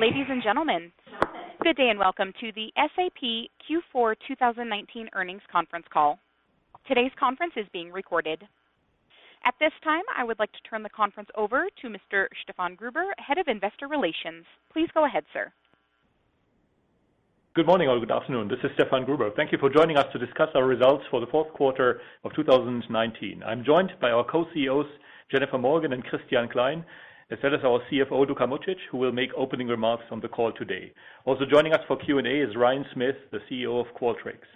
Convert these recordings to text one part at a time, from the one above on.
Ladies and gentlemen, good day and welcome to the SAP Q4 2019 Earnings Conference Call. Today's conference is being recorded. At this time, I would like to turn the conference over to Mr. Stefan Gruber, Head of Investor Relations. Please go ahead, sir. Good morning or good afternoon. This is Stefan Gruber. Thank you for joining us to discuss our results for the fourth quarter of 2019. I am joined by our Co-CEOs, Jennifer Morgan and Christian Klein, as well as our CFO, Luka Mucic, who will make opening remarks on the call today. Also joining us for Q&A is Ryan Smith, the CEO of Qualtrics.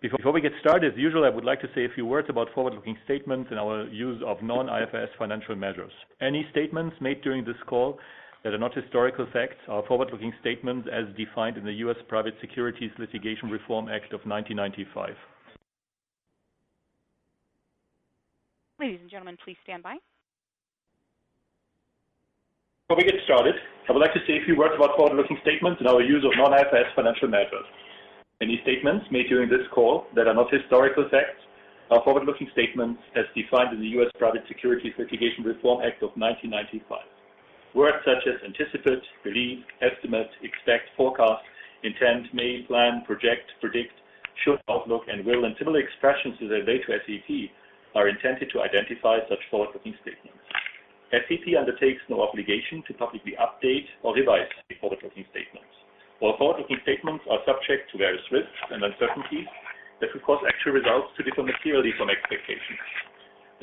Before we get started, as usual, I would like to say a few words about forward-looking statements and our use of non-IFRS financial measures. Any statements made during this call that are not historical facts are forward-looking statements as defined in the U.S. Private Securities Litigation Reform Act of 1995. Ladies and gentlemen, please stand by. Before we get started, I would like to say a few words about forward-looking statements and our use of non-IFRS financial measures. Any statements made during this call that are not historical facts are forward-looking statements as defined in the U.S. Private Securities Litigation Reform Act of 1995. Words such as anticipate, believe, estimate, expect, forecast, intend, may, plan, project, predict, should, outlook, and will, and similar expressions as they relate to SAP, are intended to identify such forward-looking statements. SAP undertakes no obligation to publicly update or revise these forward-looking statements. All forward-looking statements are subject to various risks and uncertainties that could cause actual results to differ materially from expectations.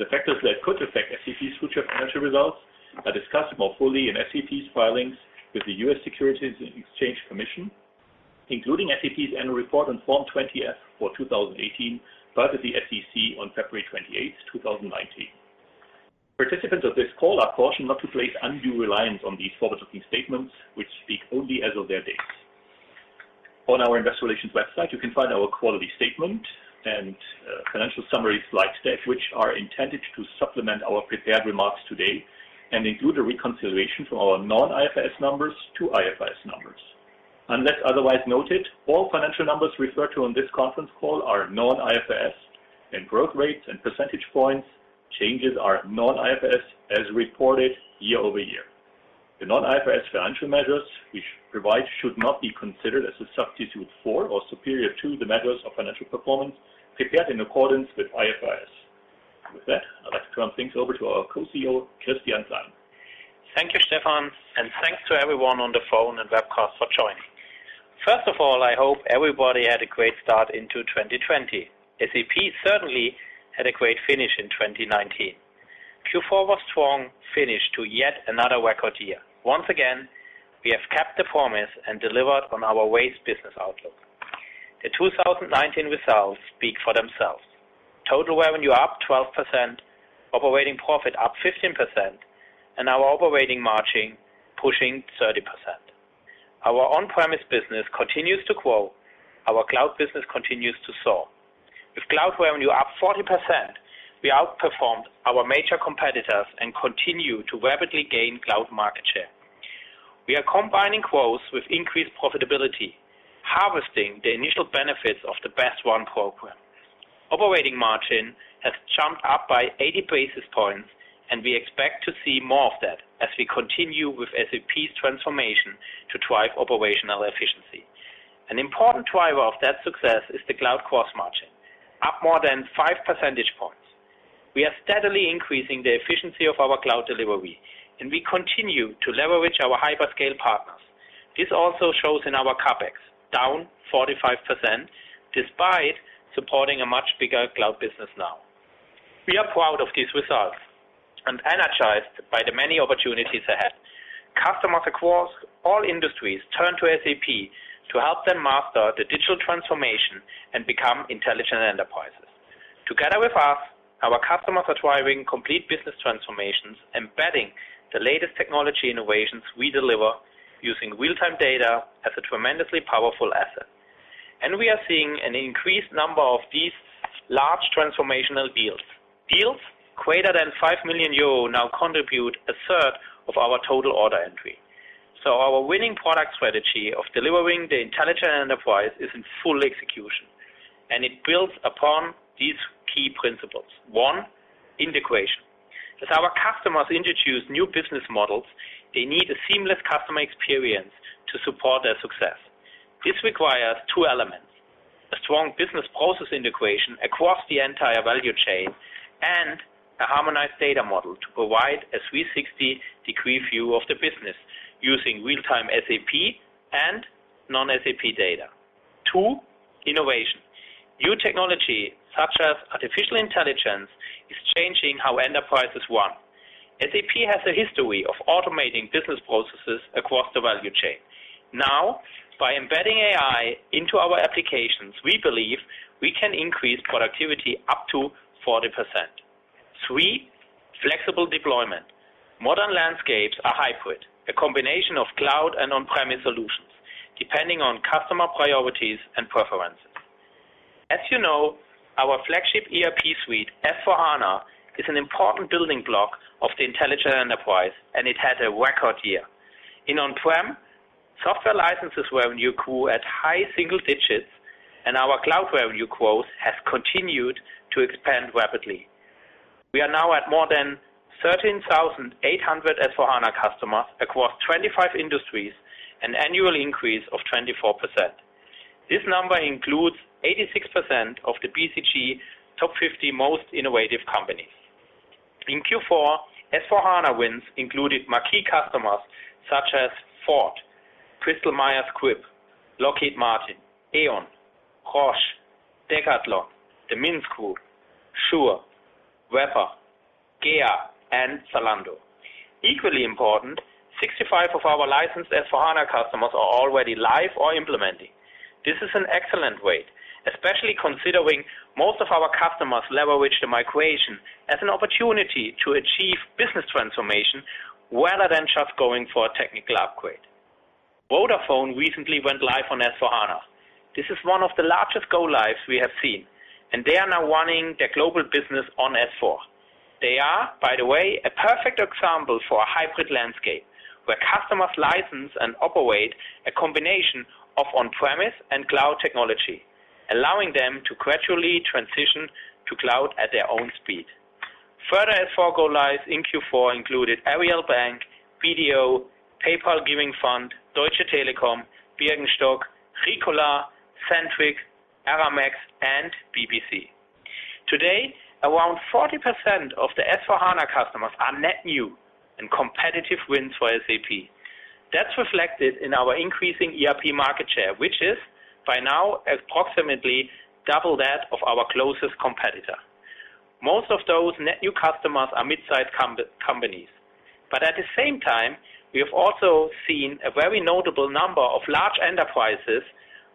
The factors that could affect SAP's future financial results are discussed more fully in SAP's filings with the U.S. Securities and Exchange Commission, including SAP's annual report on Form 20-F for 2018, filed with the SEC on February 28th, 2019. Participants of this call are cautioned not to place undue reliance on these forward-looking statements, which speak only as of their date. On our Investor Relations website, you can find our quality statement and financial summaries like stats, which are intended to supplement our prepared remarks today and include a reconciliation from our non-IFRS numbers to IFRS numbers. Unless otherwise noted, all financial numbers referred to on this conference call are non-IFRS, and growth rates and percentage points changes are non-IFRS as reported year-over-year. The non-IFRS financial measures we provide should not be considered as a substitute for or superior to the measures of financial performance prepared in accordance with IFRS. With that, I'd like to turn things over to our Co-CEO, Christian Klein. Thank you, Stefan, and thanks to everyone on the phone and webcast for joining. First of all, I hope everybody had a great start into 2020. SAP certainly had a great finish in 2019. Q4 was strong finish to yet another record year. Once again, we have kept the promise and delivered on our raised business outlook. The 2019 results speak for themselves. Total revenue up 12%, operating profit up 15%, and our operating margin pushing 30%. Our on-premise business continues to grow. Our cloud business continues to soar. With cloud revenue up 40%, we outperformed our major competitors and continue to rapidly gain cloud market share. We are combining growth with increased profitability, harvesting the initial benefits of the Best Run program. Operating margin has jumped up by 80 basis points, and we expect to see more of that as we continue with SAP's transformation to drive operational efficiency. An important driver of that success is the cloud gross margin, up more than 5 percentage points. We are steadily increasing the efficiency of our cloud delivery, and we continue to leverage our hyperscale partners. This also shows in our CapEx, down 45%, despite supporting a much bigger cloud business now. We are proud of these results and energized by the many opportunities ahead. Customers across all industries turn to SAP to help them master the digital transformation and become intelligent enterprises. Together with us, our customers are driving complete business transformations, embedding the latest technology innovations we deliver using real-time data as a tremendously powerful asset. We are seeing an increased number of these large transformational deals. Deals greater than 5 million euro now contribute a third of our total order entry. Our winning product strategy of delivering the Intelligent Enterprise is in full execution, and it builds upon these key principles. One, integration. As our customers introduce new business models, they need a seamless customer experience to support their success. This requires two elements. A strong business process integration across the entire value chain, and a harmonized data model to provide a 360-degree view of the business using real-time SAP and non-SAP data. Two, innovation. New technology, such as artificial intelligence, is changing how enterprises run. SAP has a history of automating business processes across the value chain. Now, by embedding AI into our applications, we believe we can increase productivity up to 40%. Three, flexible deployment. Modern landscapes are hybrid, a combination of cloud and on-premise solutions, depending on customer priorities and preferences. As you know, our flagship ERP suite, S/4HANA, is an important building block of the intelligent enterprise, and it had a record year. In on-prem software licenses revenue grew at high single digits, and our cloud revenue growth has continued to expand rapidly. We are now at more than 13,800 S/4HANA customers across 25 industries, an annual increase of 24%. This number includes 86% of the BCG Top 50 Most Innovative Companies. In Q4, S/4HANA wins included marquee customers such as Ford, Bristol Myers Squibb, Lockheed Martin, E.ON, Roche, Decathlon, the Minth Group, Shure, Weber, GEA, and Zalando. Equally important, 65 of our licensed S/4HANA customers are already live or implementing. This is an excellent rate, especially considering most of our customers leverage the migration as an opportunity to achieve business transformation rather than just going for a technical upgrade. Vodafone recently went live on S/4HANA. This is one of the largest go-lives we have seen, and they are now running their global business on S/4HANA. They are, by the way, a perfect example of a hybrid landscape where customers license and operate a combination of on-premise and cloud technology, allowing them to gradually transition to cloud at their own speed. Further S/4 go lives in Q4 included Aareal Bank, BDO, PayPal Giving Fund, Deutsche Telekom, Birkenstock, Ricola, Sandvik, Aramex, and BBC. Today, around 40% of the S/4HANA customers are net new and competitive wins for SAP. That's reflected in our increasing ERP market share, which is by now approximately double that of our closest competitor. Most of those net new customers are mid-size companies. At the same time, we have also seen a very notable number of large enterprises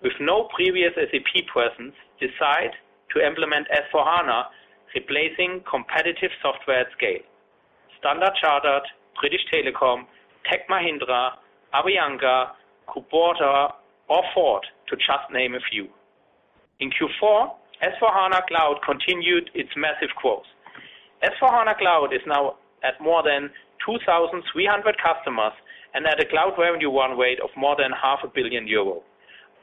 with no previous SAP presence decide to implement S/4HANA, replacing competitive software at scale. Standard Chartered, British Telecom, Tech Mahindra, Avianca, Kubota, or Ford, to just name a few. In Q4, S/4HANA Cloud continued its massive growth. S/4HANA Cloud is now at more than 2,300 customers and at a cloud revenue run rate of more than 0.5 billion euro.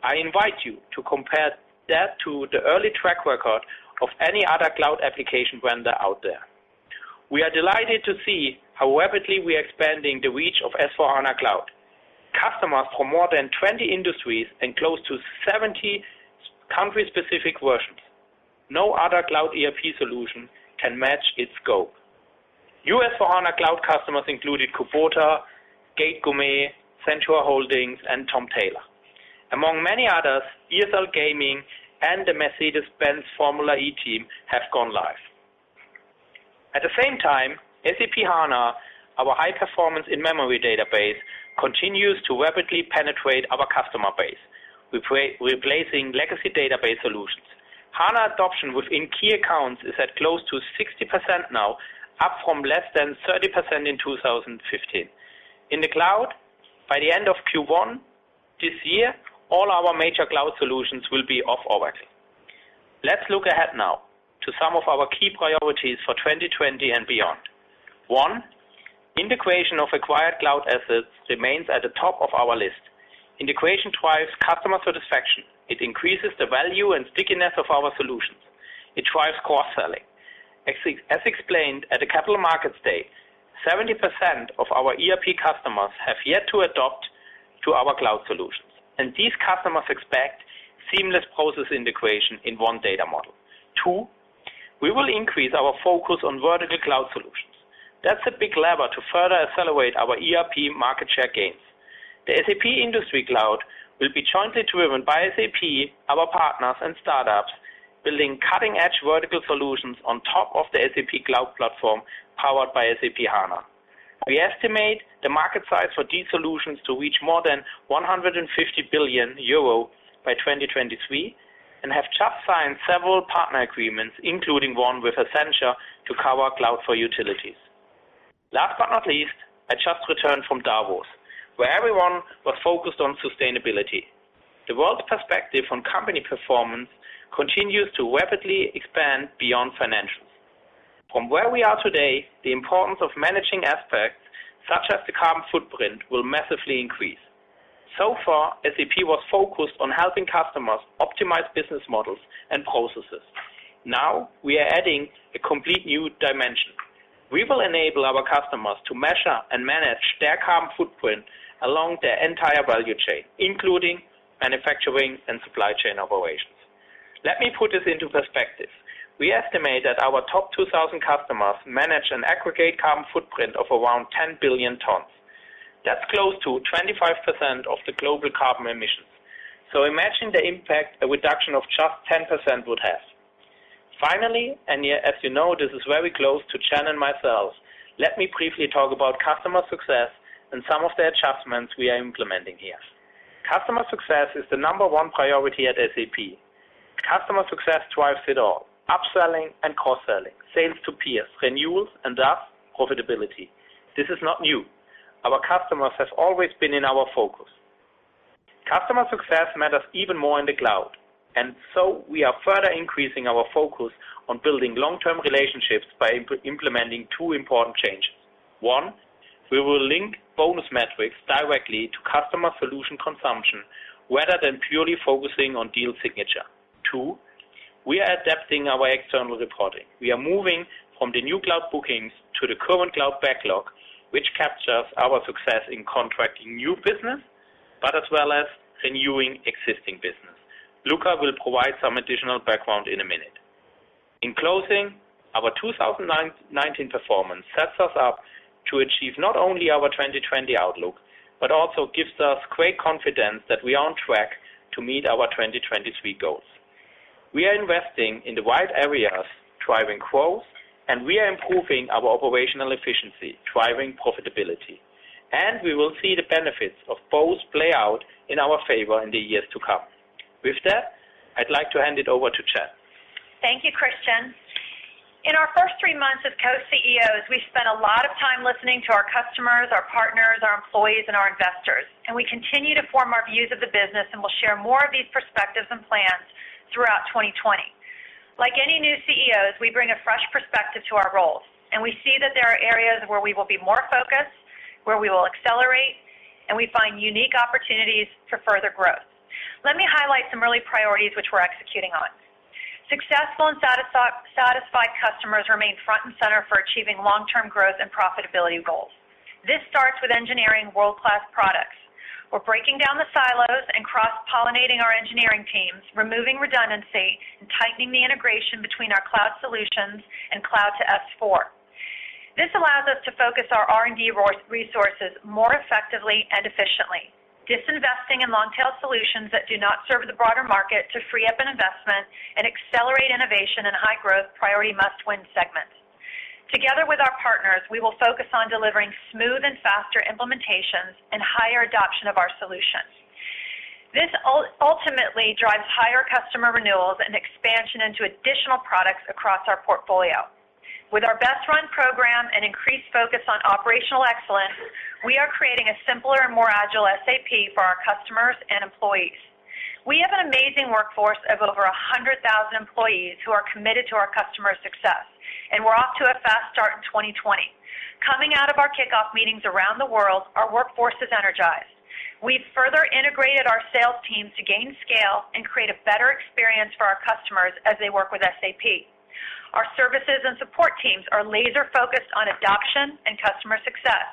I invite you to compare that to the early track record of any other cloud application vendor out there. We are delighted to see how rapidly we are expanding the reach of S/4HANA Cloud. Customers from more than 20 industries and close to 70 country-specific versions. No other cloud ERP solution can match its scope. New S/4HANA Cloud customers included Kubota, Gate Gourmet, Centaur Holdings, and Tom Tailor. Among many others, ESL Gaming and the Mercedes-Benz Formula E Team have gone live. At the same time, SAP HANA, our high-performance in-memory database, continues to rapidly penetrate our customer base, replacing legacy database solutions. HANA adoption within key accounts is at close to 60% now, up from less than 30% in 2015. In the cloud, by the end of Q1 this year, all our major cloud solutions will be off RWA. Let's look ahead now to some of our key priorities for 2020 and beyond. One, integration of acquired cloud assets remains at the top of our list. Integration drives customer satisfaction. It increases the value and stickiness of our solutions. It drives cross-selling. As explained at the Capital Markets Day, 70% of our ERP customers have yet to adopt to our cloud solutions, and these customers expect seamless process integration in one data model. Two, we will increase our focus on vertical cloud solutions. That's a big lever to further accelerate our ERP market share gains. The SAP Industry Cloud will be jointly driven by SAP, our partners, and startups, building cutting-edge vertical solutions on top of the SAP Cloud Platform powered by SAP HANA. We estimate the market size for these solutions to reach more than 150 billion euro by 2023 and have just signed several partner agreements, including one with Accenture to cover cloud for utilities. Last but not least, I just returned from Davos, where everyone was focused on sustainability. The world's perspective on company performance continues to rapidly expand beyond financials. From where we are today, the importance of managing aspects such as the carbon footprint will massively increase. So far, SAP was focused on helping customers optimize business models and processes. Now, we are adding a complete new dimension. We will enable our customers to measure and manage their carbon footprint along their entire value chain, including manufacturing and supply chain operations. Let me put this into perspective. We estimate that our top 2,000 customers manage an aggregate carbon footprint of around 10 billion tons. Imagine the impact a reduction of just 10% would have. Finally, as you know, this is very close to Jen and myself, let me briefly talk about customer success and some of the adjustments we are implementing here. Customer success is the number one priority at SAP. Customer success drives it all. Up-selling and cross-selling, sales to peers, renewals, and thus profitability. This is not new. Our customers have always been in our focus. Customer success matters even more in the cloud. We are further increasing our focus on building long-term relationships by implementing two important changes. One, we will link bonus metrics directly to customer solution consumption rather than purely focusing on deal signature. Two, we are adapting our external reporting. We are moving from the new cloud bookings to the Current Cloud Backlog, which captures our success in contracting new business, as well as renewing existing business. Luka will provide some additional background in a minute. In closing, our 2019 performance sets us up to achieve not only our 2020 outlook, but also gives us great confidence that we are on track to meet our 2023 goals. We are investing in the right areas, driving growth, and we are improving our operational efficiency, driving profitability. We will see the benefits of both play out in our favor in the years to come. With that, I'd like to hand it over to Jen. Thank you, Christian. In our first three months as Co-CEOs, we've spent a lot of time listening to our customers, our partners, our employees, and our investors. We continue to form our views of the business, and we'll share more of these perspectives and plans throughout 2020. Like any new CEOs, we bring a fresh perspective to our roles, and we see that there are areas where we will be more focused, where we will accelerate, and we find unique opportunities for further growth. Let me highlight some early priorities which we're executing on. Successful and satisfied customers remain front and center for achieving long-term growth and profitability goals. This starts with engineering world-class products. We're breaking down the silos and cross-pollinating our engineering teams, removing redundancy, and tightening the integration between our cloud solutions and cloud to S/4. This allows us to focus our R&D resources more effectively and efficiently, disinvesting in long-tail solutions that do not serve the broader market to free up an investment and accelerate innovation in high-growth, priority must-win segments. Together with our partners, we will focus on delivering smooth and faster implementations and higher adoption of our solutions. This ultimately drives higher customer renewals and expansion into additional products across our portfolio. With our Best Run program and increased focus on operational excellence, we are creating a simpler and more agile SAP for our customers and employees. We have an amazing workforce of over 100,000 employees who are committed to our customers' success. We're off to a fast start in 2020. Coming out of our kickoff meetings around the world, our workforce is energized. We've further integrated our sales teams to gain scale and create a better experience for our customers as they work with SAP. Our services and support teams are laser-focused on adoption and customer success.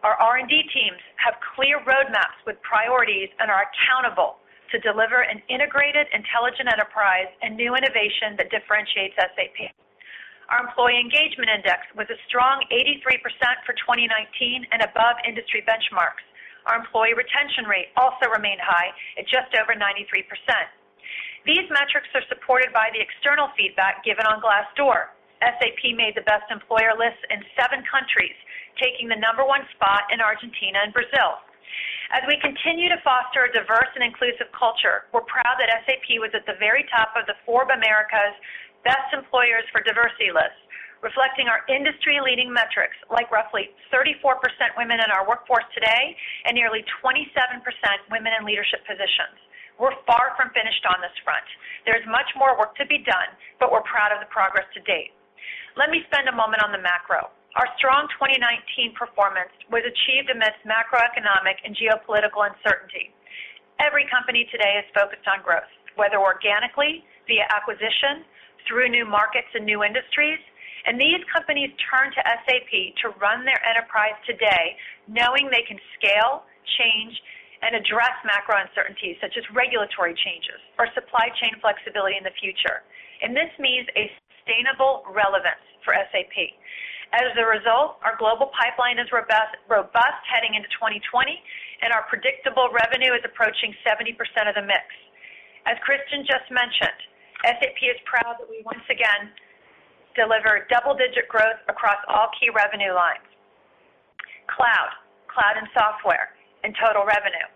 Our R&D teams have clear roadmaps with priorities and are accountable to deliver an integrated, intelligent enterprise and new innovation that differentiates SAP. Our employee engagement index was a strong 83% for 2019 and above industry benchmarks. Our employee retention rate also remained high at just over 93%. These metrics are supported by the external feedback given on Glassdoor. SAP made the best employer lists in seven countries, taking the number one spot in Argentina and Brazil. As we continue to foster a diverse and inclusive culture, we're proud that SAP was at the very top of the Forbes America's Best Employers for Diversity list, reflecting our industry-leading metrics, like roughly 34% women in our workforce today and nearly 27% women in leadership positions. We're far from finished on this front. There's much more work to be done, but we're proud of the progress to date. Let me spend a moment on the macro. Our strong 2019 performance was achieved amidst macroeconomic and geopolitical uncertainty. Every company today is focused on growth, whether organically, via acquisition, through new markets and new industries. These companies turn to SAP to run their enterprise today, knowing they can scale, change, and address macro uncertainties such as regulatory changes or supply chain flexibility in the future. This means a sustainable relevance for SAP. Our global pipeline is robust heading into 2020, and our predictable revenue is approaching 70% of the mix. As Christian just mentioned, SAP is proud that we once again delivered double-digit growth across all key revenue lines, cloud and software, and total revenue.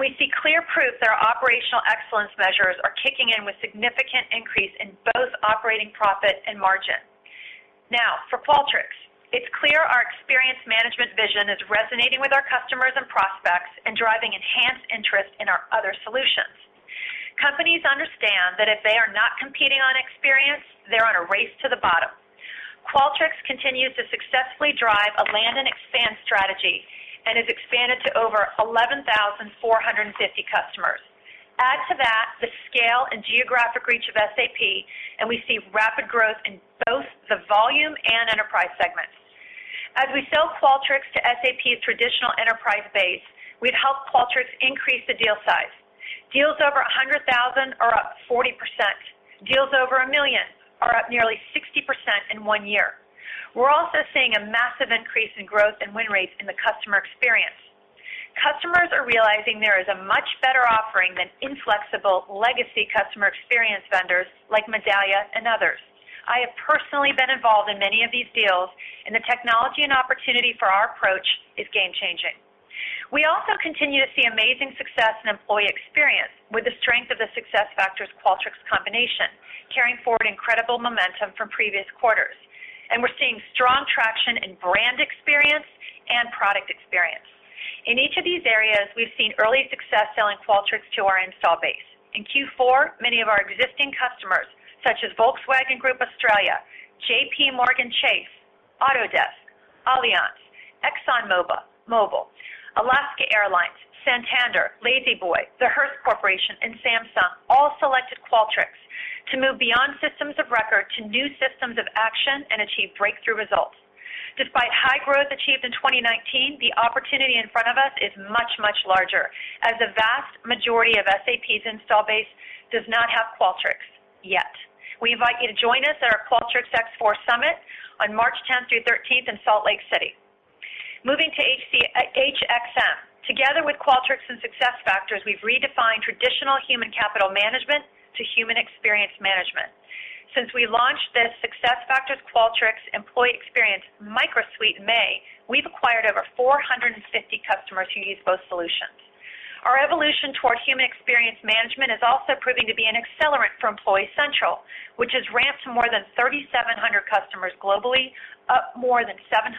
We see clear proof that our operational excellence measures are kicking in with significant increase in both operating profit and margin. For Qualtrics, it's clear our experience management vision is resonating with our customers and prospects and driving enhanced interest in our other solutions. Companies understand that if they are not competing on experience, they're on a race to the bottom. Qualtrics continues to successfully drive a land and expand strategy and has expanded to over 11,450 customers. Add to that the scale and geographic reach of SAP, we see rapid growth in both the volume and enterprise segments. As we sell Qualtrics to SAP's traditional enterprise base, we've helped Qualtrics increase the deal size. Deals over 100,000 are up 40%. Deals over 1 million are up nearly 60% in one year. We're also seeing a massive increase in growth and win rates in the customer experience. Customers are realizing there is a much better offering than inflexible legacy customer experience vendors like Medallia and others. I have personally been involved in many of these deals, and the technology and opportunity for our approach is game-changing. We also continue to see amazing success in employee experience with the strength of the SuccessFactors/Qualtrics combination, carrying forward incredible momentum from previous quarters. We're seeing strong traction in brand experience and product experience. In each of these areas, we've seen early success selling Qualtrics to our install base. In Q4, many of our existing customers, such as Volkswagen Group Australia, JPMorgan Chase, Autodesk, Allianz, ExxonMobil, Alaska Airlines, Santander, La-Z-Boy, the Hertz Corporation, and Samsung all selected Qualtrics to move beyond systems of record to new systems of action and achieve breakthrough results. Despite high growth achieved in 2019, the opportunity in front of us is much, much larger, as the vast majority of SAP's install base does not have Qualtrics yet. We invite you to join us at our Qualtrics X4 Summit on March 10th through 13th in Salt Lake City. Moving to HXM. Together with Qualtrics and SuccessFactors, we've redefined traditional human capital management to human experience management. Since we launched the SuccessFactors Qualtrics Employee Experience Micro Suite in May, we've acquired over 450 customers who use both solutions. Our evolution toward human experience management is also proving to be an accelerant for Employee Central, which has ramped to more than 3,700 customers globally, up more than 700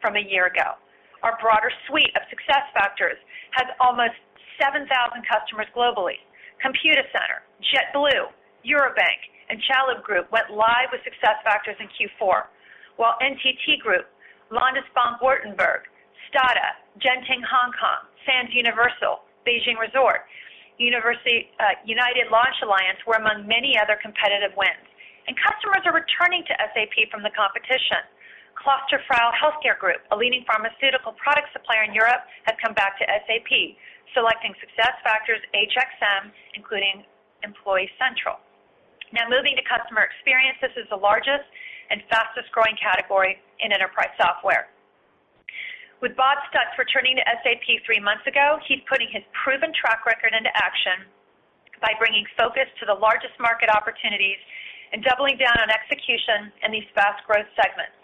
from a year ago. Our broader suite of SuccessFactors has almost 7,000 customers globally. Computer Center, JetBlue, Eurobank, and Chalhoub Group went live with SuccessFactors in Q4, while NTT Group, Landesbank Baden-Württemberg, STADA, Genting Hong Kong, Sands Universal, Beijing Resort, United Launch Alliance were among many other competitive wins. Customers are returning to SAP from the competition. Klosterfrau Healthcare Group, a leading pharmaceutical product supplier in Europe, has come back to SAP, selecting SuccessFactors HXM, including Employee Central. Moving to customer experience. This is the largest and fastest-growing category in enterprise software. With Bob Stutz returning to SAP three months ago, he's putting his proven track record into action by bringing focus to the largest market opportunities and doubling down on execution in these fast-growth segments.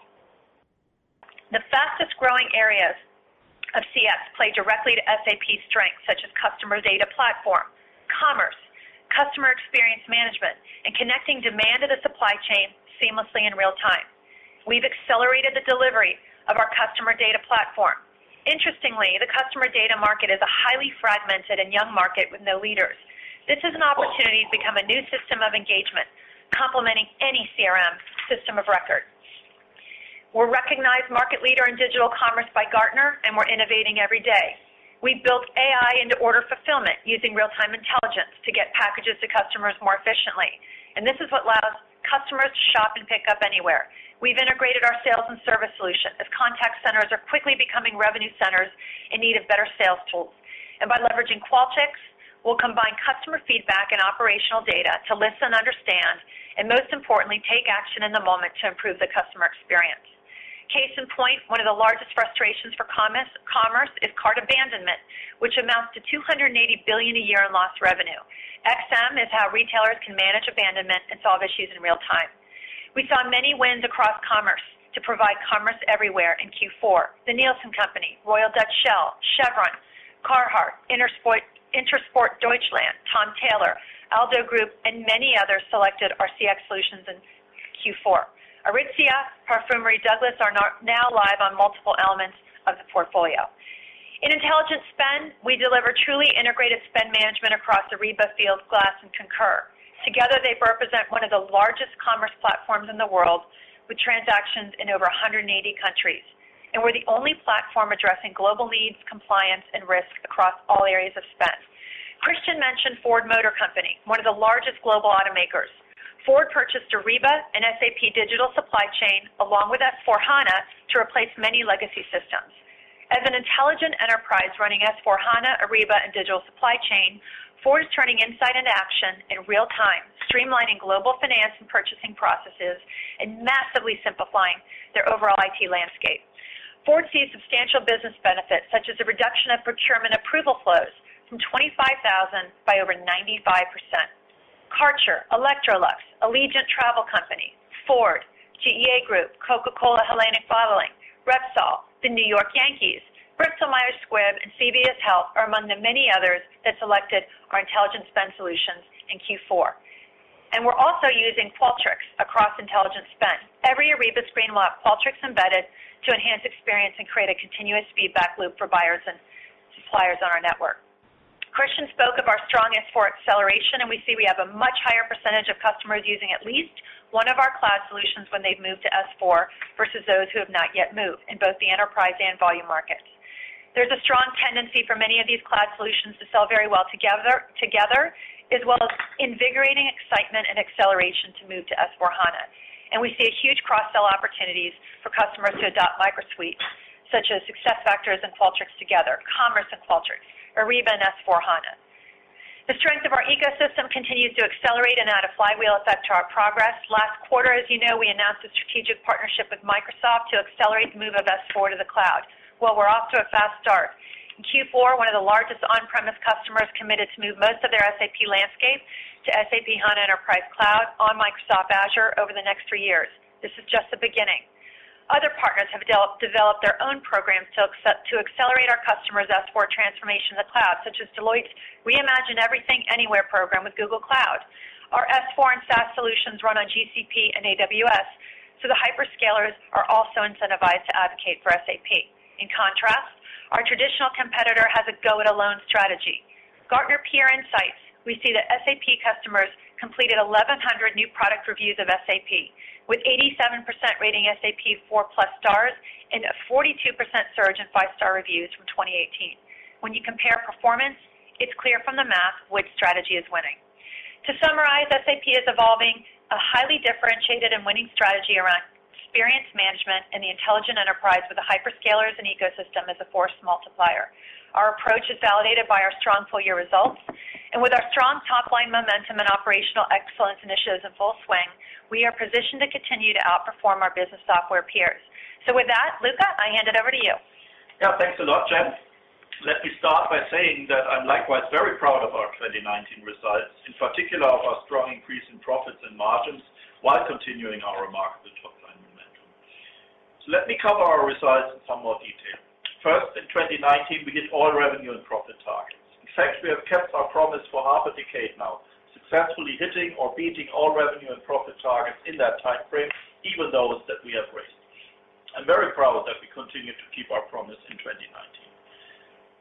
The fastest-growing areas of CS play directly to SAP's strengths, such as Customer Data Platform, Commerce, Customer Experience Management, and connecting demand to the supply chain seamlessly in real time. We've accelerated the delivery of our Customer Data Platform. Interestingly, the customer data market is a highly fragmented and young market with no leaders. This is an opportunity to become a new system of engagement, complementing any CRM system of record. We're a recognized market leader in digital commerce by Gartner, and we're innovating every day. We've built AI into order fulfillment using real-time intelligence to get packages to customers more efficiently, and this is what allows customers to shop and pick up anywhere. We've integrated our sales and service solutions, as contact centers are quickly becoming revenue centers in need of better sales tools. By leveraging Qualtrics, we'll combine customer feedback and operational data to listen, understand, and most importantly, take action in the moment to improve the customer experience. Case in point, one of the largest frustrations for commerce is cart abandonment, which amounts to $280 billion a year in lost revenue. XM is how retailers can manage abandonment and solve issues in real time. We saw many wins across commerce to provide commerce everywhere in Q4. The Nielsen Company, Royal Dutch Shell, Chevron, Carhartt, Intersport Deutschland, Tom Tailor, Aldo Group, and many others selected our CX solutions in Q4. Aritzia, Perfumery Douglas are now live on multiple elements of the portfolio. In Intelligent Spend, we deliver truly integrated spend management across Ariba, Fieldglass, and Concur. Together, they represent one of the largest commerce platforms in the world, with transactions in over 180 countries, and we're the only platform addressing global needs, compliance, and risk across all areas of spend. Christian mentioned Ford Motor Company, one of the largest global automakers. Ford purchased Ariba and SAP Digital Supply Chain, along with S/4HANA, to replace many legacy systems. As an intelligent enterprise running S/4HANA, Ariba, and Digital Supply Chain, Ford is turning insight into action in real time, streamlining global finance and purchasing processes, and massively simplifying their overall IT landscape. Ford sees substantial business benefits, such as a reduction of procurement approval flows from 25,000 by over 95%. Kärcher, Electrolux, Allegiant Travel Company, Ford, GEA Group, Coca-Cola Hellenic Bottling, Repsol, the New York Yankees, Bristol Myers Squibb, and CVS Health are among the many others that selected our intelligent spend solutions in Q4. We're also using Qualtrics across Intelligent Spend. Every Ariba screen will have Qualtrics embedded to enhance experience and create a continuous feedback loop for buyers and suppliers on our network. Christian spoke of our strong S/4 acceleration. We see we have a much higher percentage of customers using at least one of our cloud solutions when they've moved to S/4 versus those who have not yet moved in both the enterprise and volume markets. There's a strong tendency for many of these cloud solutions to sell very well together, as well as invigorating excitement and acceleration to move to S/4HANA. We see huge cross-sell opportunities for customers to adopt Micro Suite, such as SuccessFactors and Qualtrics together, Commerce and Qualtrics, Ariba and S/4HANA. The strength of our ecosystem continues to accelerate and add a flywheel effect to our progress. Last quarter, as you know, we announced a strategic partnership with Microsoft to accelerate the move of S/4 to the cloud. Well, we're off to a fast start. In Q4, one of the largest on-premise customers committed to move most of their SAP landscape to SAP HANA Enterprise Cloud on Microsoft Azure over the next three years. This is just the beginning. Other partners have developed their own programs to accelerate our customers' S/4 transformation in the cloud, such as Deloitte's Reimagine Everything Anywhere program with Google Cloud. Our S/4 and SaaS solutions run on GCP and AWS, the hyperscalers are also incentivized to advocate for SAP. In contrast, our traditional competitor has a go-it-alone strategy. Gartner Peer Insights, we see that SAP customers completed 1,100 new product reviews of SAP, with 87% rating SAP four-plus stars and a 42% surge in five-star reviews from 2018. When you compare performance, it's clear from the math which strategy is winning. To summarize, SAP is evolving a highly differentiated and winning strategy around Experience Management and the Intelligent Enterprise with the hyperscalers and ecosystem as a force multiplier. Our approach is validated by our strong full-year results. With our strong top-line momentum and operational excellence initiatives in full swing, we are positioned to continue to outperform our business software peers. With that, Luka, I hand it over to you. Thanks a lot, Jen. Let me start by saying that I am likewise very proud of our 2019 results, in particular of our strong increase in profits and margins, while continuing our remarkable top-line momentum. Let me cover our results in some more detail. First, in 2019, we hit all revenue and profit targets. In fact, we have kept our promise for half a decade now, successfully hitting or beating all revenue and profit targets in that timeframe, even those that we have raised. I am very proud that we continued to keep our promise in 2019.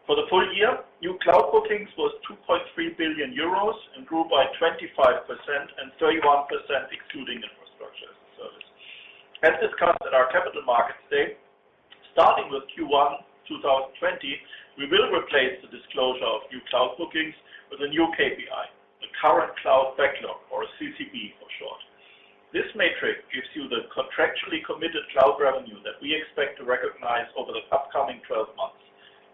For the full year, new cloud bookings was 2.3 billion euros and grew by 25%, and 31% excluding infrastructure as a service. As discussed at our Capital Markets Day, starting with Q1 2020, we will replace the disclosure of new cloud bookings with a new KPI, a Current Cloud Backlog, or CCB for short. This metric gives you the contractually committed cloud revenue that we expect to recognize over the upcoming 12 months.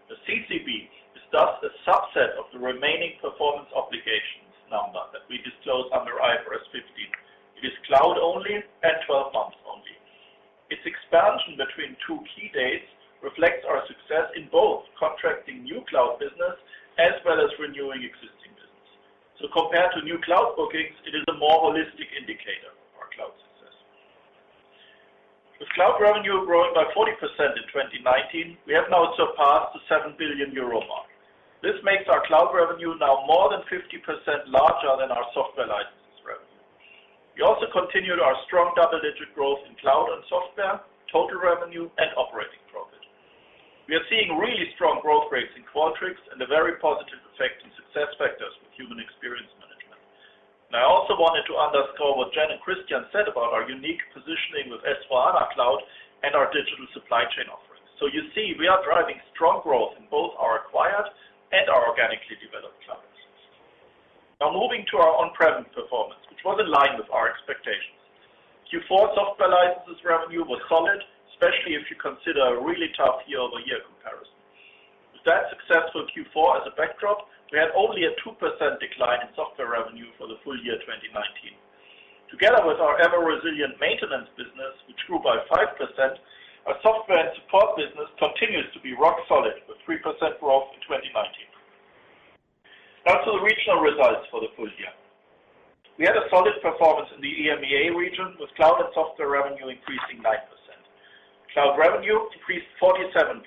CCB is a subset of the remaining performance obligations number that we disclose under IFRS 15. It is cloud only and 12 months only. Its expansion between two key dates reflects our success in both contracting new cloud business as well as renewing existing business. Compared to new cloud bookings, it is a more holistic indicator of our cloud success. With cloud revenue growing by 40% in 2019, we have now surpassed the 7 billion euro mark. This makes our cloud revenue now more than 50% larger than our software licenses revenue. We also continued our strong double-digit growth in cloud and software, total revenue, and operating profit. We are seeing really strong growth rates in Qualtrics and a very positive effect in SuccessFactors with human experience management. I also wanted to underscore what Jen and Christian said about our unique positioning with SAP S/4HANA Cloud and our SAP Digital Supply Chain offerings. You see, we are driving strong growth in both our acquired and our organically developed cloud systems. Moving to our on-premise performance, which was in line with our expectations. Q4 software licenses revenue was solid, especially if you consider a really tough year-over-year comparison. With that successful Q4 as a backdrop, we had only a 2% decline in software revenue for the full year 2019. Together with our ever-resilient maintenance business, which grew by 5%, our software and support business continues to be rock solid with 3% growth in 2019. To the regional results for the full year. We had a solid performance in the EMEA region, with cloud and software revenue increasing 9%. Cloud revenue increased 47%,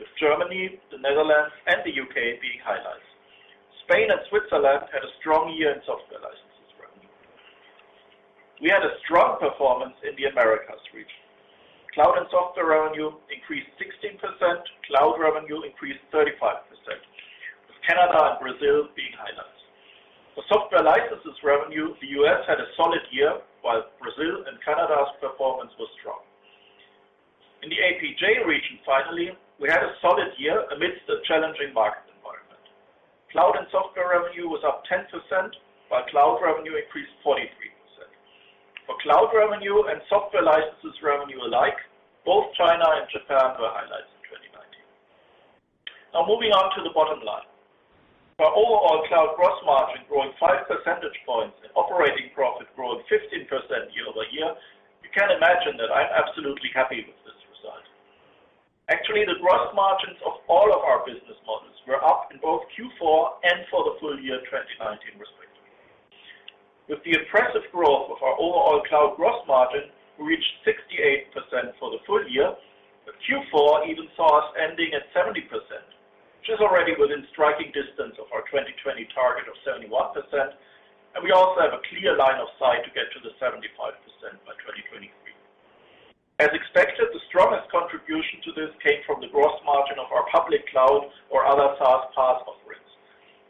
with Germany, the Netherlands, and the U.K. being highlights. Spain and Switzerland had a strong year in software licenses revenue. We had a strong performance in the Americas region. Cloud and software revenue increased 16%, cloud revenue increased 35%, with Canada and Brazil being highlights. For software licenses revenue, the U.S. had a solid year, while Brazil and Canada's performance was strong. In the APJ region, finally, we had a solid year amidst a challenging market environment. Cloud and software revenue was up 10%, while cloud revenue increased 43%. For cloud revenue and software licenses revenue alike, both China and Japan were highlights in 2019. Now moving on to the bottom line. Our overall cloud gross margin growing 5 percentage points and operating profit growing 15% year-over-year, you can imagine that I'm absolutely happy with this result. Actually, the gross margins of all of our business models were up in both Q4 and for the full year 2019 respectively. With the impressive growth of our overall cloud gross margin, we reached 68% for the full year, but Q4 even saw us ending at 70%, which is already within striking distance of our 2020 target of 71%, and we also have a clear line of sight to get to the 75% by 2023. As expected, the strongest contribution to this came from the gross margin of our public cloud or other SaaS PaaS offerings.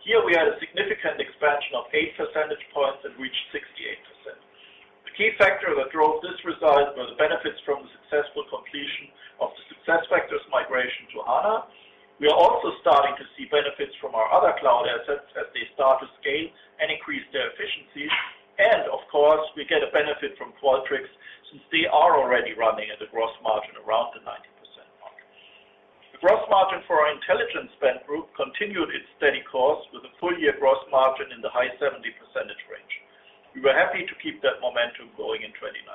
Here, we had a significant expansion of 8 percentage points that reached 68%. The key factor that drove this result was benefits from the successful completion of the SuccessFactors migration to HANA. We are also starting to see benefits from our other cloud assets as they start to scale and increase their efficiencies. Of course, we get a benefit from Qualtrics since they are already running at a gross margin around the 90% mark. The gross margin for our Intelligent Spend Group continued its steady course with a full-year gross margin in the high 70% range. We were happy to keep that momentum going in 2019.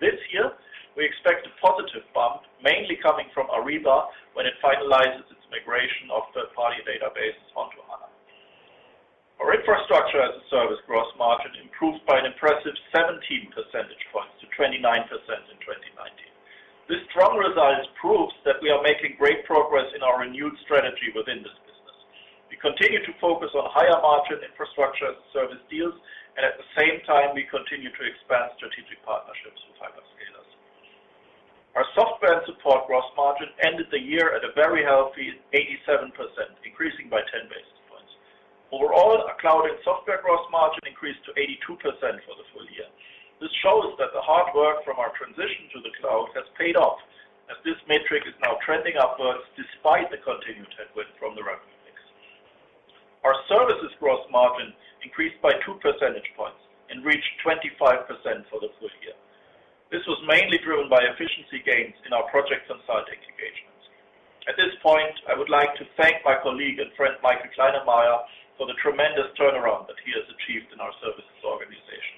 This year, we expect a positive bump, mainly coming from Ariba, when it finalizes its migration of third-party databases onto HANA. Our infrastructure as a service gross margin improved by an impressive 17 percentage points to 29% in 2019. This strong result proves that we are making great progress in our renewed strategy within this business. We continue to focus on higher margin infrastructure as a service deals, and at the same time, we continue to expand strategic partnerships with hyperscalers. Our software and support gross margin ended the year at a very healthy 87%, increasing by 10 basis points. Overall, our cloud and software gross margin increased to 82% for the full year. This shows that the hard work from our transition to the cloud has paid off, as this metric is now trending upwards despite the continued headwind from the revenue mix. Our services gross margin increased by 2 percentage points and reached 25% for the full year. This was mainly driven by efficiency gains in our projects and consulting engagements. At this point, I would like to thank my colleague and friend, Michael Kleinemeier, for the tremendous turnaround that he has achieved in our services organization.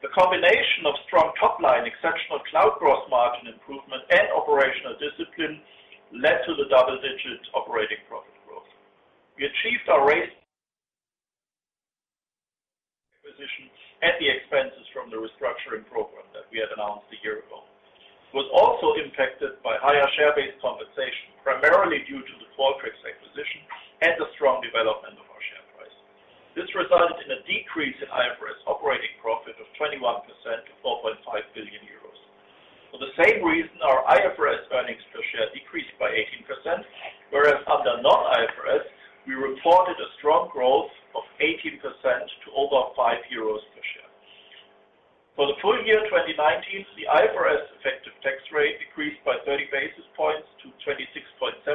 The combination of strong top line, exceptional cloud gross margin improvement, and operational discipline led to the double-digit operating profit growth. We achieved our net acquisition at the expenses from the restructuring program that we had announced a year ago. It was also impacted by higher share-based compensation, primarily due to the Qualtrics acquisition and the strong development of our share price. This resulted in a decrease in IFRS operating profit of 21% to 4.5 billion euros. For the same reason, our IFRS earnings per share decreased by 18%, whereas under non-IFRS, we reported a strong growth of 18% to over 5 euros per share. For the full year 2019, the IFRS effective tax rate decreased by 30 basis points to 26.7%,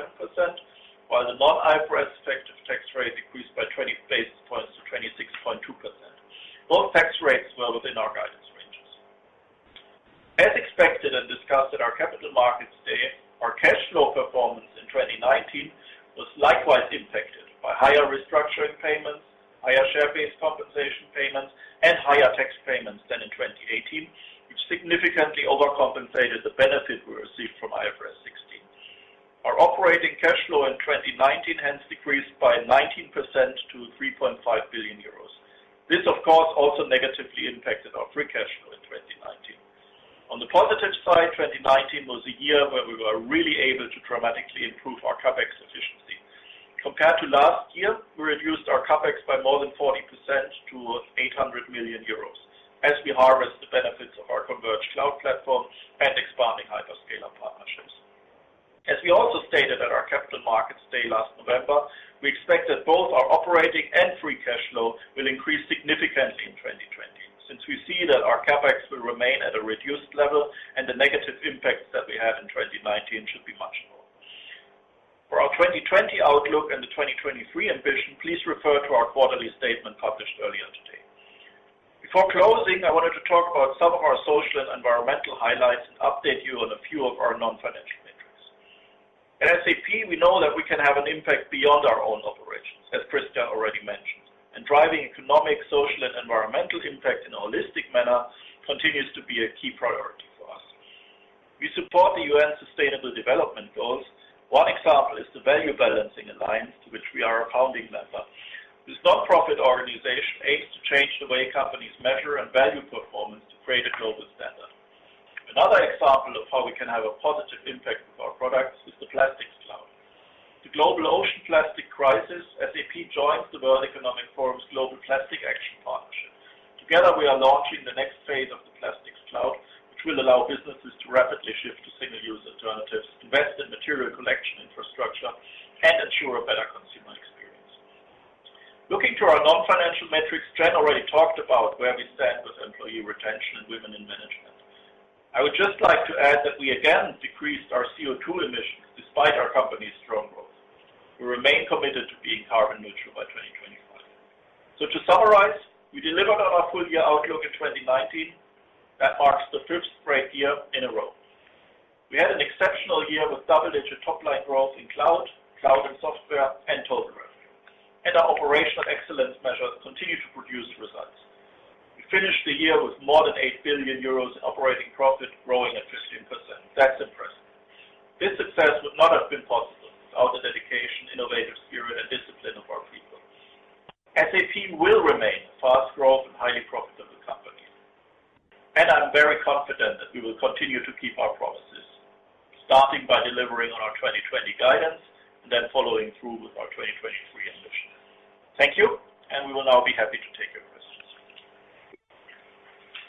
while the non-IFRS effective tax rate decreased by 20 basis points to 26.2%. Both tax rates were within our guidance ranges. As expected and discussed at our Capital Markets Day, our cash flow performance in 2019 was likewise impacted by higher restructuring payments, higher share-based compensation payments, and higher tax payments than in 2018, which significantly overcompensated the benefit we received from IFRS 16. Our operating cash flow in 2019 hence decreased by 19% to 3.5 billion euros. This, of course, also negatively impacted our free cash flow in 2019. On the positive side, 2019 was a year where we were really able to dramatically improve our CapEx efficiency. Compared to last year, we reduced our CapEx by more than 40% to 800 million euros as we harvest the benefits of our converged cloud platform and expanding hyperscaler partnerships. As we also stated at our Capital Markets Day last November, we expect that both our operating and free cash flow will increase significantly in 2020, since we see that our CapEx will remain at a reduced level and the negative impacts that we had in 2019 should be much lower. For our 2020 outlook and the 2023 ambition, please refer to our quarterly statement published earlier today. Before closing, I wanted to talk about some of our social and environmental highlights and update you on a few of our non-financial metrics. At SAP, we know that we can have an impact beyond our own operations, as Christian already mentioned. Driving economic, social, and environmental impact in a holistic manner continues to be a key priority for us. We support the UN Sustainable Development Goals. One example is the Value Balancing Alliance, to which we are a founding member. This nonprofit organization aims to change the way companies measure and value performance to create a global standard. Another example of how we can have a positive impact with our products is the Plastics Cloud. The global ocean plastic crisis, SAP joins the World Economic Forum's Global Plastic Action Partnership. Together, we are launching the next phase of the Plastics Cloud, which will allow businesses to rapidly shift to single-use alternatives, invest in material collection infrastructure, and ensure a better consumer experience. Looking to our non-financial metrics, Christian already talked about where we stand with employee retention and women in management. I would just like to add that we again decreased our CO2 emissions despite our company's strong growth. We remain committed to being carbon neutral by 2025. To summarize, we delivered on our full-year outlook in 2019. That marks the fifth great year in a row. We had an exceptional year with double-digit top line growth in cloud and software, and total revenue. Our operational excellence measures continue to produce results. We finished the year with more than 8 billion euros in operating profit, growing at 15%. That's impressive. This success would not have been possible without the dedication, innovative spirit, and discipline of our people. SAP will remain a fast growth and highly profitable company, and I'm very confident that we will continue to keep our promises, starting by delivering on our 2020 guidance and then following through with our 2023 ambition. Thank you, and we will now be happy to take your questions.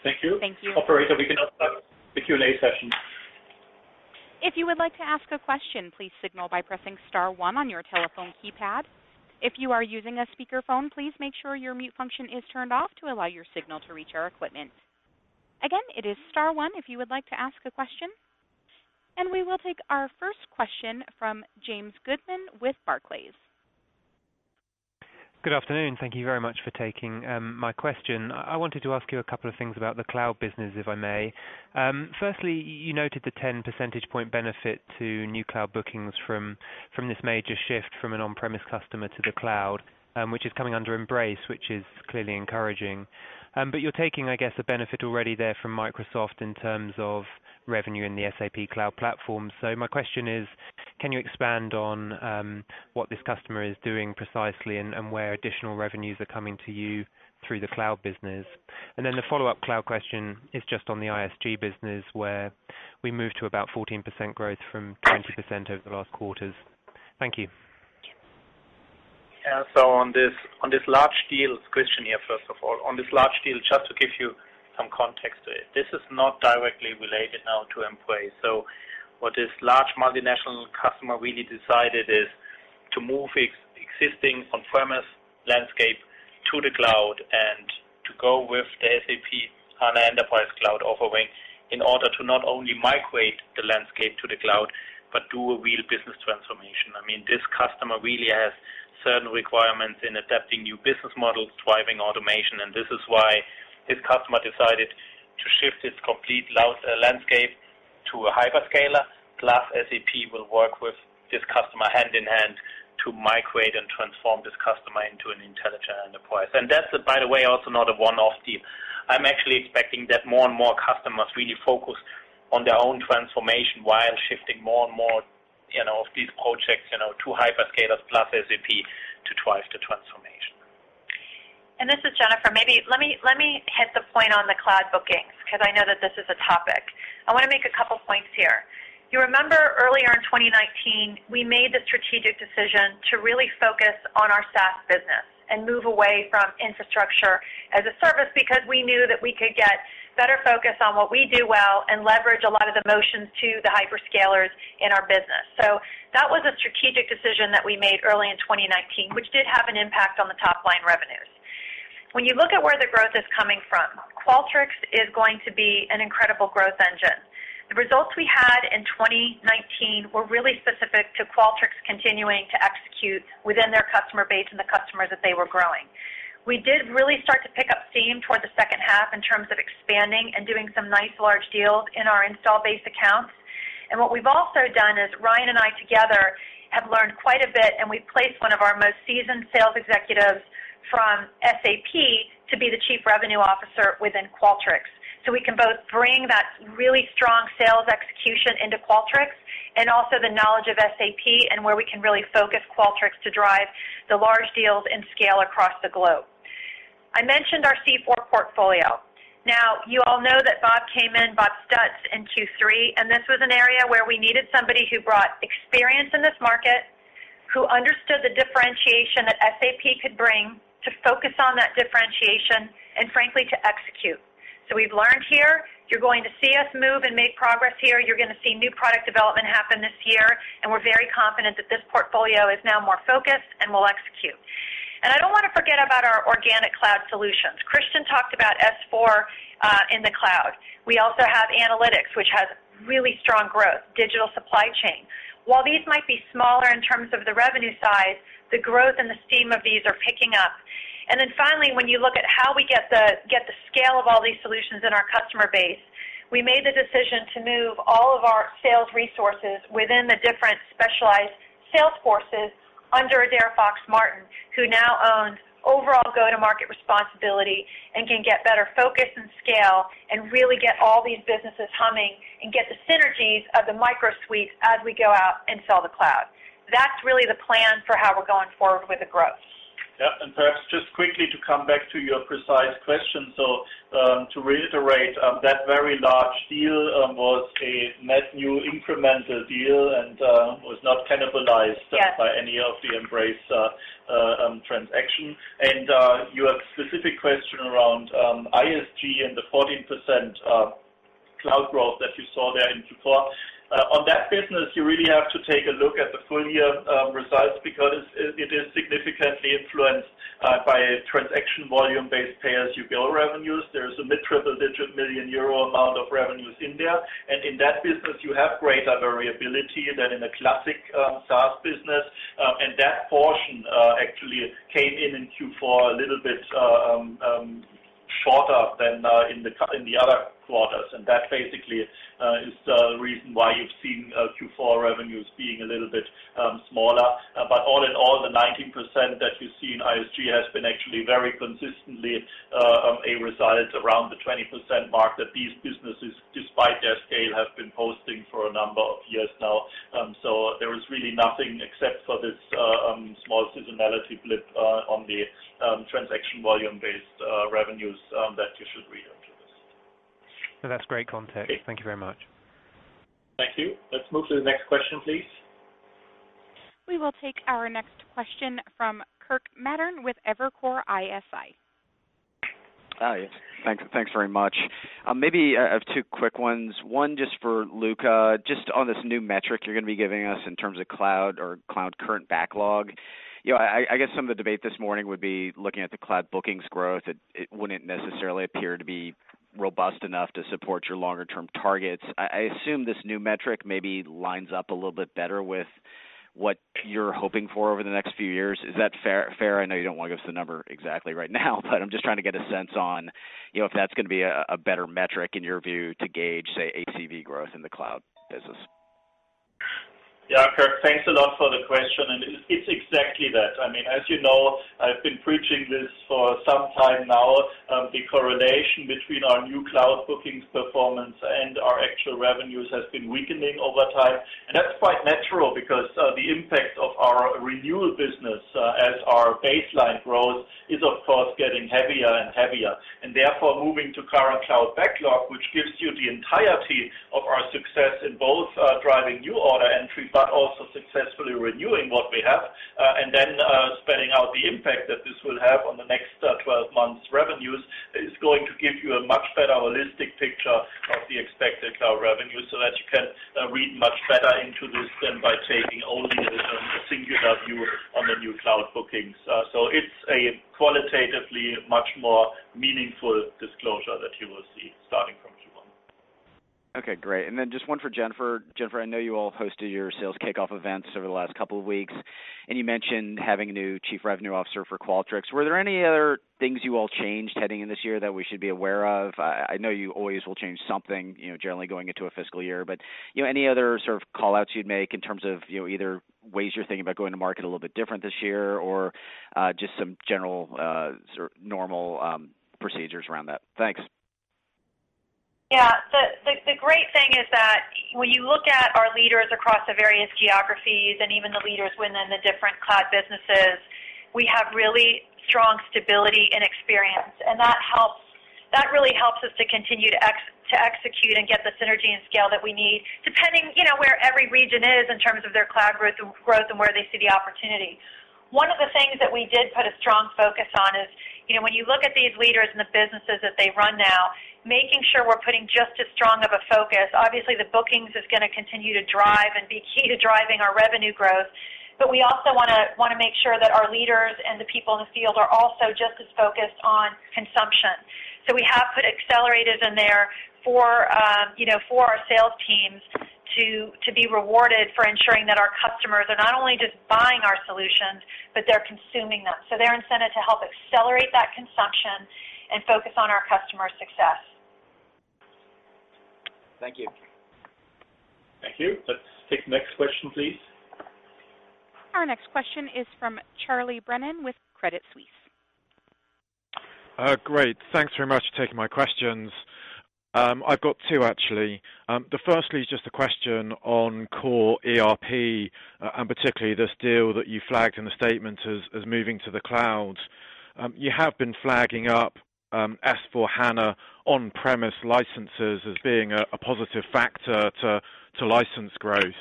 Thank you. Thank you. Operator, we can now start the Q&A session. If you would like to ask a question, please signal by pressing star one on your telephone keypad. If you are using a speakerphone, please make sure your mute function is turned off to allow your signal to reach our equipment. Again, it is star one if you would like to ask a question. We will take our first question from James Goodman with Barclays. Good afternoon. Thank you very much for taking my question. I wanted to ask you a couple of things about the cloud business, if I may. Firstly, you noted the 10 percentage point benefit to new cloud bookings from this major shift from an on-premise customer to the cloud, which is coming under Embrace, which is clearly encouraging. You're taking, I guess, a benefit already there from Microsoft in terms of revenue in the SAP Cloud Platform. My question is. Can you expand on what this customer is doing precisely and where additional revenues are coming to you through the cloud business? The follow-up cloud question is just on the ISG business, where we moved to about 14% growth from 20% over the last quarters. Thank you. On this large deal. It's Christian here, first of all, on this large deal, just to give you some context to it. This is not directly related now to employee. What this large multinational customer really decided is to move existing on-premise landscape to the cloud and to go with the SAP HANA Enterprise Cloud offering in order to not only migrate the landscape to the cloud, but do a real business transformation. This customer really has certain requirements in adapting new business models, driving automation, this is why this customer decided to shift its complete landscape to a hyperscaler. Plus, SAP will work with this customer hand-in-hand to migrate and transform this customer into an intelligent enterprise. That's, by the way, also not a one-off deal. I'm actually expecting that more and more customers really focus on their own transformation while shifting more and more of these projects to hyperscalers plus SAP to drive the transformation. This is Jennifer. Let me hit the point on the cloud bookings, because I know that this is a topic. I want to make a couple points here. You remember earlier in 2019, we made the strategic decision to really focus on our SaaS business and move away from infrastructure as a service, because we knew that we could get better focus on what we do well and leverage a lot of the motions to the hyperscalers in our business. That was a strategic decision that we made early in 2019, which did have an impact on the top-line revenues. When you look at where the growth is coming from, Qualtrics is going to be an incredible growth engine. The results we had in 2019 were really specific to Qualtrics continuing to execute within their customer base and the customers that they were growing. We did really start to pick up steam towards the second half in terms of expanding and doing some nice large deals in our install base accounts. What we've also done is Ryan and I together have learned quite a bit, we've placed one of our most seasoned sales executives from SAP to be the Chief Revenue Officer within Qualtrics. We can both bring that really strong sales execution into Qualtrics and also the knowledge of SAP and where we can really focus Qualtrics to drive the large deals and scale across the globe. I mentioned our C/4 portfolio. You all know that Bob came in, Bob Stutz, in Q3, and this was an area where we needed somebody who brought experience in this market, who understood the differentiation that SAP could bring to focus on that differentiation, and frankly, to execute. We've learned here, you're going to see us move and make progress here. You're going to see new product development happen this year, and we're very confident that this portfolio is now more focused and will execute. I don't want to forget about our organic cloud solutions. Christian talked about S/4 in the cloud. We also have analytics, which has really strong growth, Digital Supply Chain. While these might be smaller in terms of the revenue size, the growth and the steam of these are picking up. Finally, when you look at how we get the scale of all these solutions in our customer base, we made the decision to move all of our sales resources within the different specialized sales forces under Adaire Fox-Martin, who now owns overall go-to-market responsibility and can get better focus and scale and really get all these businesses humming and get the synergies of the Micro Suites as we go out and sell the cloud. That's really the plan for how we're going forward with the growth. Yeah, perhaps just quickly to come back to your precise question. To reiterate, that very large deal was a net new incremental deal and was not cannibalized. Yes. By any of the Embrace transaction. Your specific question around ISG and the 14% cloud growth that you saw there in Q4. On that business, you really have to take a look at the full-year results because it is significantly influenced by transaction volume-based pay-as-you-go revenues. There is a mid-triple digit million euro amount of revenues in there. In that business, you have greater variability than in a classic SaaS business. That portion actually came in in Q4 a little bit shorter than in the other quarters. That basically is the reason why you've seen Q4 revenues being a little bit smaller. All in all, the 19% that you see in ISG has been actually very consistently a result around the 20% mark that these businesses, despite their scale, have been posting for a number of years now. There is really nothing except for this small seasonality blip on the transaction volume-based revenues that you should read into this. That's great context. Thank you very much. Thank you. Let's move to the next question, please. We will take our next question from Kirk Materne with Evercore ISI. Hi. Thanks very much. Maybe I have two quick ones. One just for Luka, just on this new metric you're going to be giving us in terms of cloud or Current Cloud Backlog. I guess some of the debate this morning would be looking at the cloud bookings growth. It wouldn't necessarily appear to be robust enough to support your longer-term targets. I assume this new metric maybe lines up a little bit better with what you're hoping for over the next few years. Is that fair? I know you don't want to give us the number exactly right now. I'm just trying to get a sense on if that's going to be a better metric in your view to gauge, say, ACV growth in the cloud business. Yeah, Kirk, thanks a lot. It's exactly that. As you know, I've been preaching this for some time now. That's quite natural because the impact of our renewal business as our baseline growth is, of course, getting heavier and heavier. Therefore, moving to Current Cloud Backlog, which gives you the entirety of our success in both driving new order entry, but also successfully renewing what we have, spreading out the impact that this will have on the next 12 months revenues, is going to give you a much better holistic picture of the expected cloud revenue so that you can read much better into this than by taking only the singular view on the new cloud bookings. It's a qualitatively much more meaningful disclosure that you will see starting from Q1. Okay, great. Just one for Jennifer. Jennifer, I know you all hosted your sales kickoff events over the last couple of weeks, and you mentioned having a new Chief Revenue Officer for Qualtrics. Were there any other things you all changed heading in this year that we should be aware of? I know you always will change something, generally going into a fiscal year, any other sort of call-outs you'd make in terms of either ways you're thinking about going to market a little bit different this year or just some general sort of normal procedures around that? Thanks. The great thing is that when you look at our leaders across the various geographies and even the leaders within the different cloud businesses, we have really strong stability and experience. That really helps us to continue to execute and get the synergy and scale that we need, depending where every region is in terms of their cloud growth and where they see the opportunity. One of the things that we did put a strong focus on is, when you look at these leaders and the businesses that they run now, making sure we're putting just as strong of a focus. Obviously, the bookings is going to continue to drive and be key to driving our revenue growth. We also want to make sure that our leaders and the people in the field are also just as focused on consumption. We have put accelerators in there for our sales teams to be rewarded for ensuring that our customers are not only just buying our solutions, but they're consuming them. They're incented to help accelerate that consumption and focus on our customer success. Thank you. Thank you. Let's take the next question, please. Our next question is from Charlie Brennan with Credit Suisse. Great. Thanks very much for taking my questions. I've got two, actually. The first is just a question on core ERP, and particularly this deal that you flagged in the statement as moving to the cloud. You have been flagging up S/4HANA on-premise licenses as being a positive factor to license growth.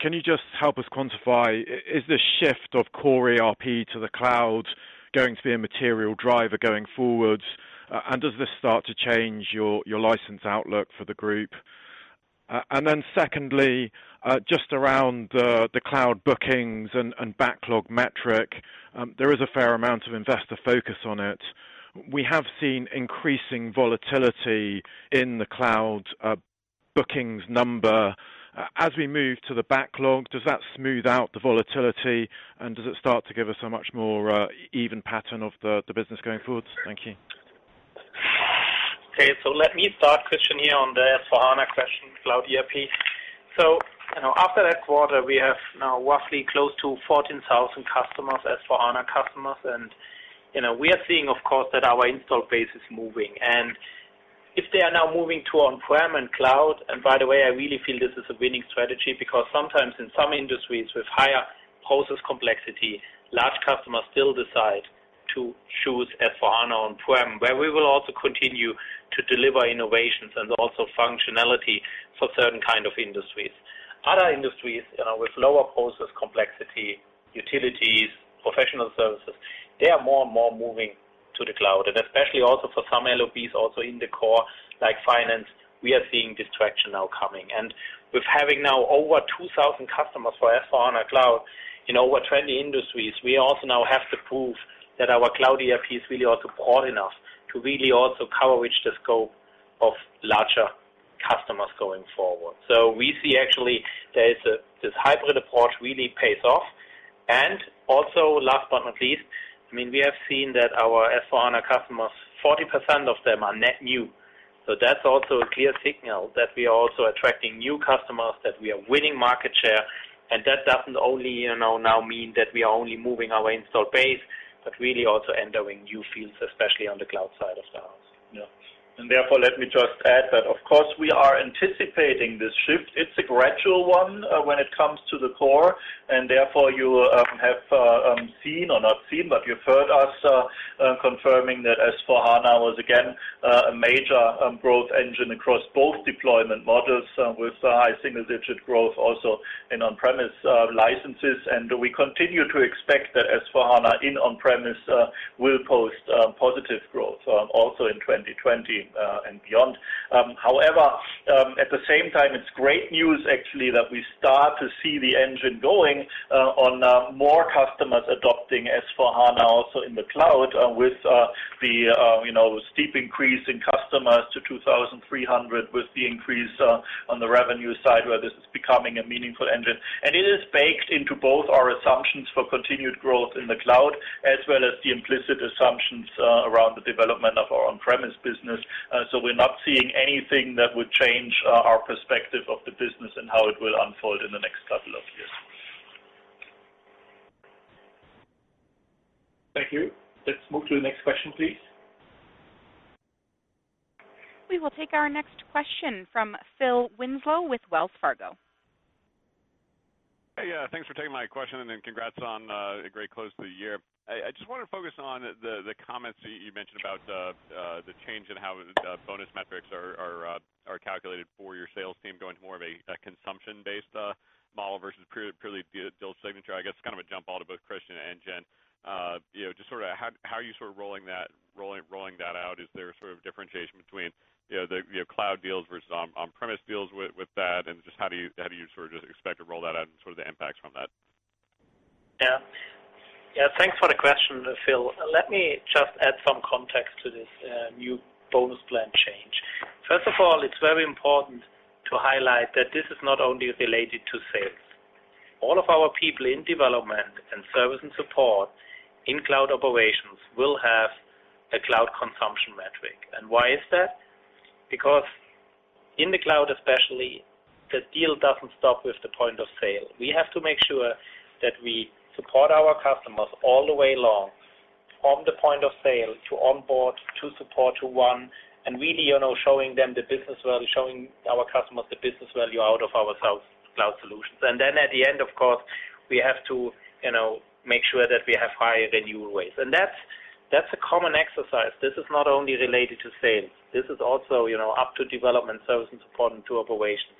Can you just help us quantify, is this shift of core ERP to the cloud going to be a material driver going forward? Does this start to change your license outlook for the group? Secondly, just around the cloud bookings and backlog metric, there is a fair amount of investor focus on it. We have seen increasing volatility in the cloud bookings number. As we move to the backlog, does that smooth out the volatility, and does it start to give us a much more even pattern of the business going forward? Thank you. Let me start, Christian, here on the S/4HANA question, cloud ERP. After that quarter, we have now roughly close to 14,000 customers, S/4HANA customers. We are seeing, of course, that our install base is moving. If they are now moving to on-prem and cloud, and by the way, I really feel this is a winning strategy because sometimes in some industries with higher process complexity, large customers still decide to choose S/4HANA on-prem, where we will also continue to deliver innovations and also functionality for certain kind of industries. Other industries with lower process complexity, utilities, professional services, they are more and more moving to the cloud. Especially also for some LOBs also in the core, like finance, we are seeing this traction now coming. With having now over 2,000 customers for S/4HANA Cloud in over 20 industries, we also now have the proof that our cloud ERP is really also broad enough to really also cover with the scope of larger customers going forward. We see actually that this hybrid approach really pays off. Also, last but not least, we have seen that our S/4HANA customers, 40% of them are net new. That's also a clear signal that we are also attracting new customers, that we are winning market share. That doesn't only now mean that we are only moving our install base, but really also entering new fields, especially on the cloud side of the house. Yeah. Let me just add that, of course, we are anticipating this shift. It's a gradual one when it comes to the core, and therefore you have seen or not seen, but you've heard us confirming that S/4HANA was again a major growth engine across both deployment models with high single-digit growth also in on-premise licenses. We continue to expect that S/4HANA in on-premise will post positive growth also in 2020 and beyond. At the same time, it's great news actually, that we start to see the engine going on more customers adopting S/4HANA also in the cloud with the steep increase in customers to 2,300 with the increase on the revenue side, where this is becoming a meaningful engine. It is baked into both our assumptions for continued growth in the cloud, as well as the implicit assumptions around the development of our on-premise business. We're not seeing anything that would change our perspective of the business and how it will unfold in the next couple of years. Thank you. Let's move to the next question, please. We will take our next question from Phil Winslow with Wells Fargo. Hey, thanks for taking my question, and congrats on a great close to the year. I just want to focus on the comments that you mentioned about the change in how the bonus metrics are calculated for your sales team going to more of a consumption-based model versus purely deal signature. I guess, kind of a jump ball to both Christian and Jen. How are you rolling that out? Is there a sort of differentiation between the cloud deals versus on-premise deals with that, just how do you sort of just expect to roll that out and sort of the impacts from that? Yeah. Thanks for the question, Phil. Let me just add some context to this new bonus plan change. First of all, it's very important to highlight that this is not only related to sales. All of our people in development and service and support in cloud operations will have a cloud consumption metric. Why is that? Because in the cloud especially, the deal doesn't stop with the point of sale. We have to make sure that we support our customers all the way along from the point of sale to onboard, to support, to run, and really showing them the business value, showing our customers the business value out of our cloud solutions. At the end, of course, we have to make sure that we have higher revenue ways. That's a common exercise. This is not only related to sales. This is also up to development, service and support, and to operations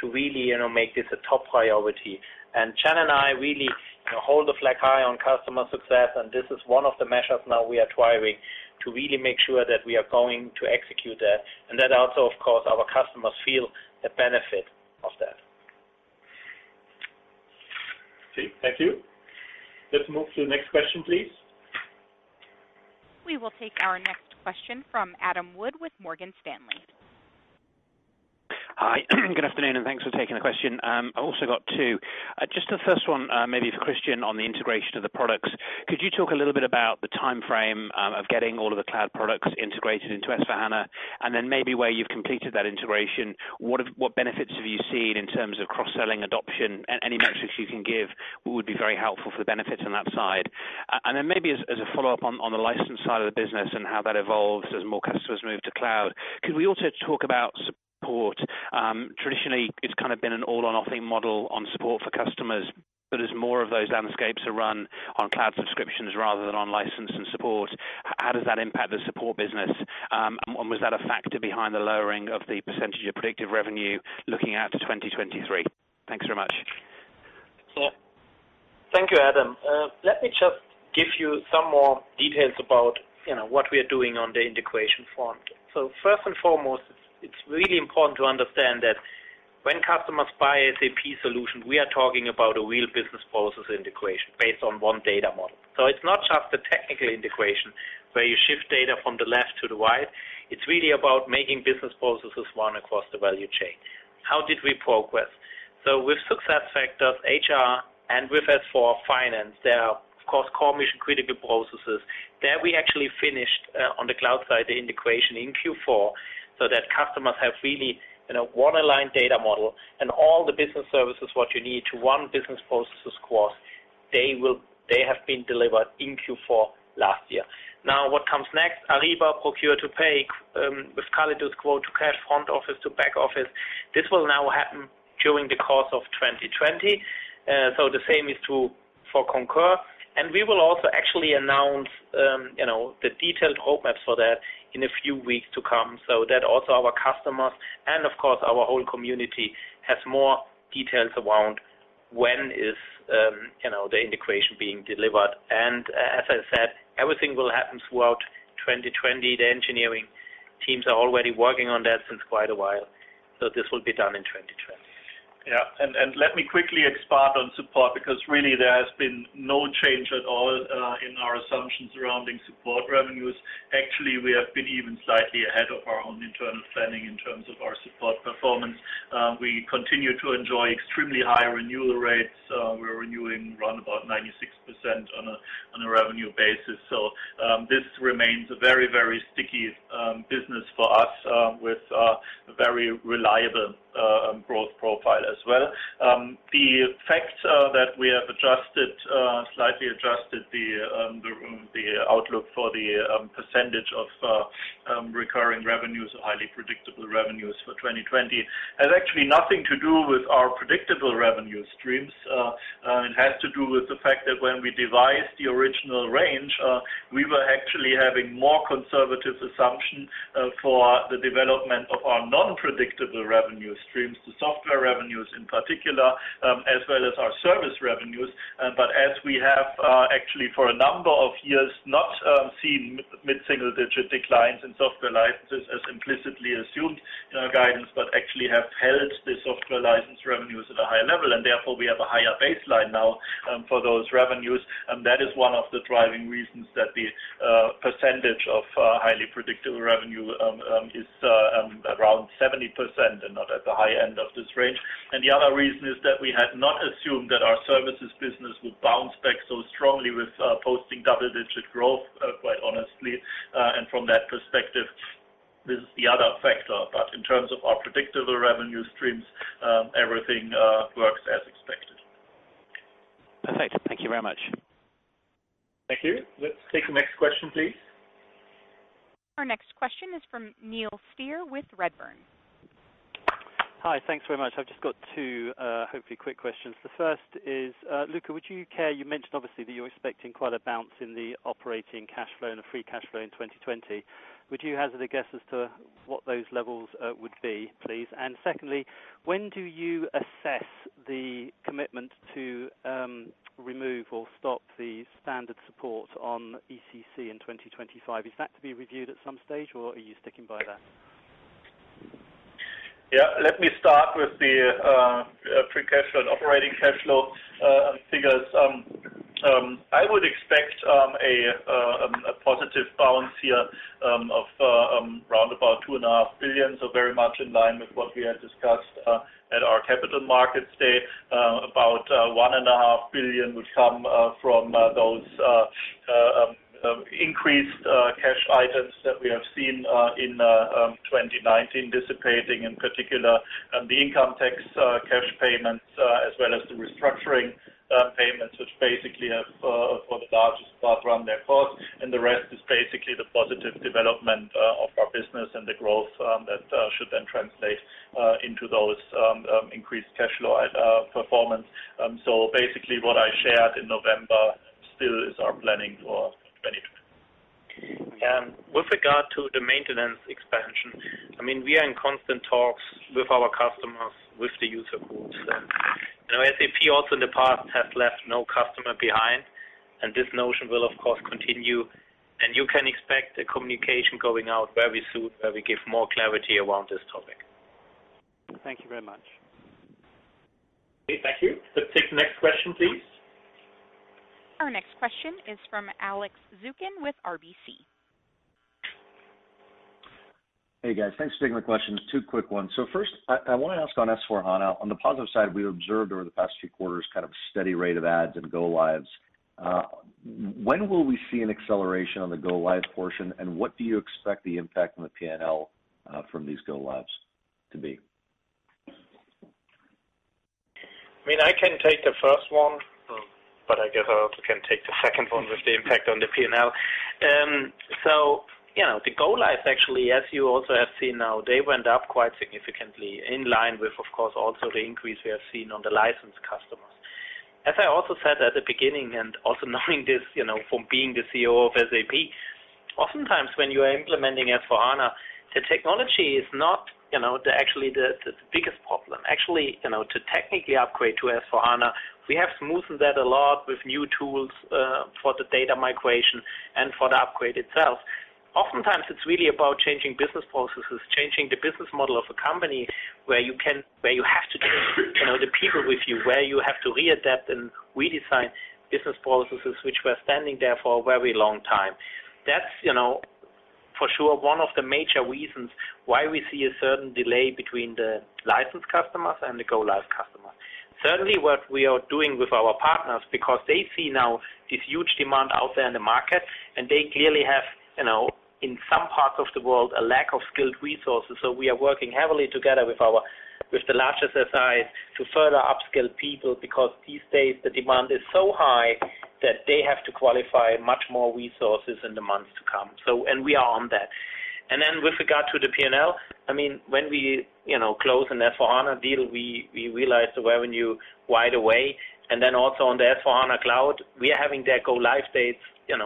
to really make this a top priority. Jen and I really hold the flag high on customer success, and this is one of the measures now we are driving to really make sure that we are going to execute that. That also, of course, our customers feel the benefit of that. Okay. Thank you. Let's move to the next question, please. We will take our next question from Adam Wood with Morgan Stanley. Hi. Good afternoon, and thanks for taking the question. I've also got two. Just the first one, maybe for Christian on the integration of the products. Could you talk a little bit about the timeframe of getting all of the cloud products integrated into SAP S/4HANA? Maybe where you've completed that integration, what benefits have you seen in terms of cross-selling adoption? Any metrics you can give would be very helpful for the benefits on that side. Maybe as a follow-up on the license side of the business and how that evolves as more customers move to cloud, could we also talk about support? Traditionally, it's kind of been an all or nothing model on support for customers. As more of those landscapes are run on cloud subscriptions rather than on license and support, how does that impact the support business? Was that a factor behind the lowering of the percentage of predictive revenue looking out to 2023? Thanks very much. Yeah. Thank you, Adam. Let me just give you some more details about what we are doing on the integration front. First and foremost, it's really important to understand that when customers buy SAP solution, we are talking about a real business process integration based on one data model. It's not just a technical integration where you shift data from the left to the right. It's really about making business processes run across the value chain. How did we progress? With SAP SuccessFactors HR and with SAP S/4 Finance, they are, of course, core mission-critical processes. There we actually finished on the cloud side, the integration in Q4, so that customers have really watertight data model and all the business services, what you need to run business processes across, they have been delivered in Q4 last year. What comes next? Ariba, Procure to Pay, with Callidus, quote to cash, front office to back office. This will now happen during the course of 2020. The same is true for Concur. We will also actually announce the detailed roadmap for that in a few weeks to come so that also our customers and of course, our whole community has more details around when is the integration being delivered. As I said, everything will happen throughout 2020. The engineering teams are already working on that since quite a while. This will be done in 2020. Yeah. Let me quickly expound on support because really there has been no change at all in our assumptions surrounding support revenues. Actually, we have been even slightly ahead of our own internal planning in terms of our support performance. We continue to enjoy extremely high renewal rates. We are renewing around about 96% on a revenue basis. This remains a very, very sticky business for us, with a very reliable growth profile as well. The fact that we have slightly adjusted the outlook for the percentage of recurring revenues or highly predictable revenues for 2020 has actually nothing to do with our predictable revenue streams. It has to do with the fact that when we devised the original range, we were actually having more conservative assumptions for the development of our non-predictable revenue streams to software revenues in particular, as well as our service revenues. As we have actually for a number of years, not seen mid-single digit declines in software licenses as implicitly assumed in our guidance, but actually have held the software license revenues at a higher level, therefore, we have a higher baseline now for those revenues. That is one of the driving reasons that the percentage of highly predictable revenue is around 70% and not at the high end of this range. The other reason is that we had not assumed that our services business would bounce back so strongly with posting double-digit growth, quite honestly. From that perspective, this is the other factor. In terms of our predictable revenue streams, everything works as expected. Perfect. Thank you very much. Thank you. Let's take the next question, please. Our next question is from Neil Steer with Redburn. Hi. Thanks very much. I've just got two, hopefully quick questions. The first is, Luka, would you care, you mentioned obviously that you're expecting quite a bounce in the operating cash flow and the free cash flow in 2020. Would you hazard a guess as to what those levels would be, please? Secondly, when do you assess the commitment to remove or stop the standard support on ECC in 2025? Is that to be reviewed at some stage, or are you sticking by that? Yeah. Let me start with the free cash flow and operating cash flow figures. I would expect a positive bounce here of around 2.5 billion, very much in line with what we had discussed at our Capital Markets Day. About 1.5 billion would come from those increased cash items that we have seen in 2019 dissipating, in particular, the income tax cash payments, as well as the restructuring payments, which basically have for the largest part run their course. The rest is basically the positive development of our business and the growth that should then translate into those increased cash flow performance. Basically, what I shared in November still is our planning for management. With regard to the maintenance expansion, we are in constant talks with our customers, with the user groups. SAP also in the past has left no customer behind, and this notion will, of course, continue, and you can expect the communication going out very soon where we give more clarity around this topic. Thank you very much. Okay. Thank you. Let's take the next question, please. Our next question is from Alex Zukin with RBC. Hey, guys. Thanks for taking my questions. Two quick ones. First, I want to ask on SAP S/4HANA. On the positive side, we observed over the past few quarters kind of steady rate of adds and go-lives. When will we see an acceleration on the go-live portion, and what do you expect the impact on the P&L from these go-lives to be? I can take the first one, but I guess I also can take the second one with the impact on the P&L. Yeah, the go-lives actually, as you also have seen now, they went up quite significantly in line with, of course, also the increase we have seen on the licensed customers. As I also said at the beginning, and also knowing this from being the CEO of SAP, oftentimes when you are implementing SAP S/4HANA, the technology is not actually the biggest problem. Actually, to technically upgrade to SAP S/4HANA, we have smoothened that a lot with new tools for the data migration and for the upgrade itself. Oftentimes, it's really about changing business processes, changing the business model of a company where you have to take the people with you, where you have to readapt and redesign business processes which were standing there for a very long time. That's, for sure, one of the major reasons why we see a certain delay between the licensed customers and the go-live customers. Certainly, what we are doing with our partners, because they see now this huge demand out there in the market, and they clearly have, in some parts of the world, a lack of skilled resources. We are working heavily together with the largest SIs to further upskill people because these days the demand is so high that they have to qualify much more resources in the months to come. We are on that. With regard to the P&L, when we close an SAP S/4HANA deal, we realize the revenue right away. Also on the SAP S/4HANA Cloud, we are having their go-live dates, 20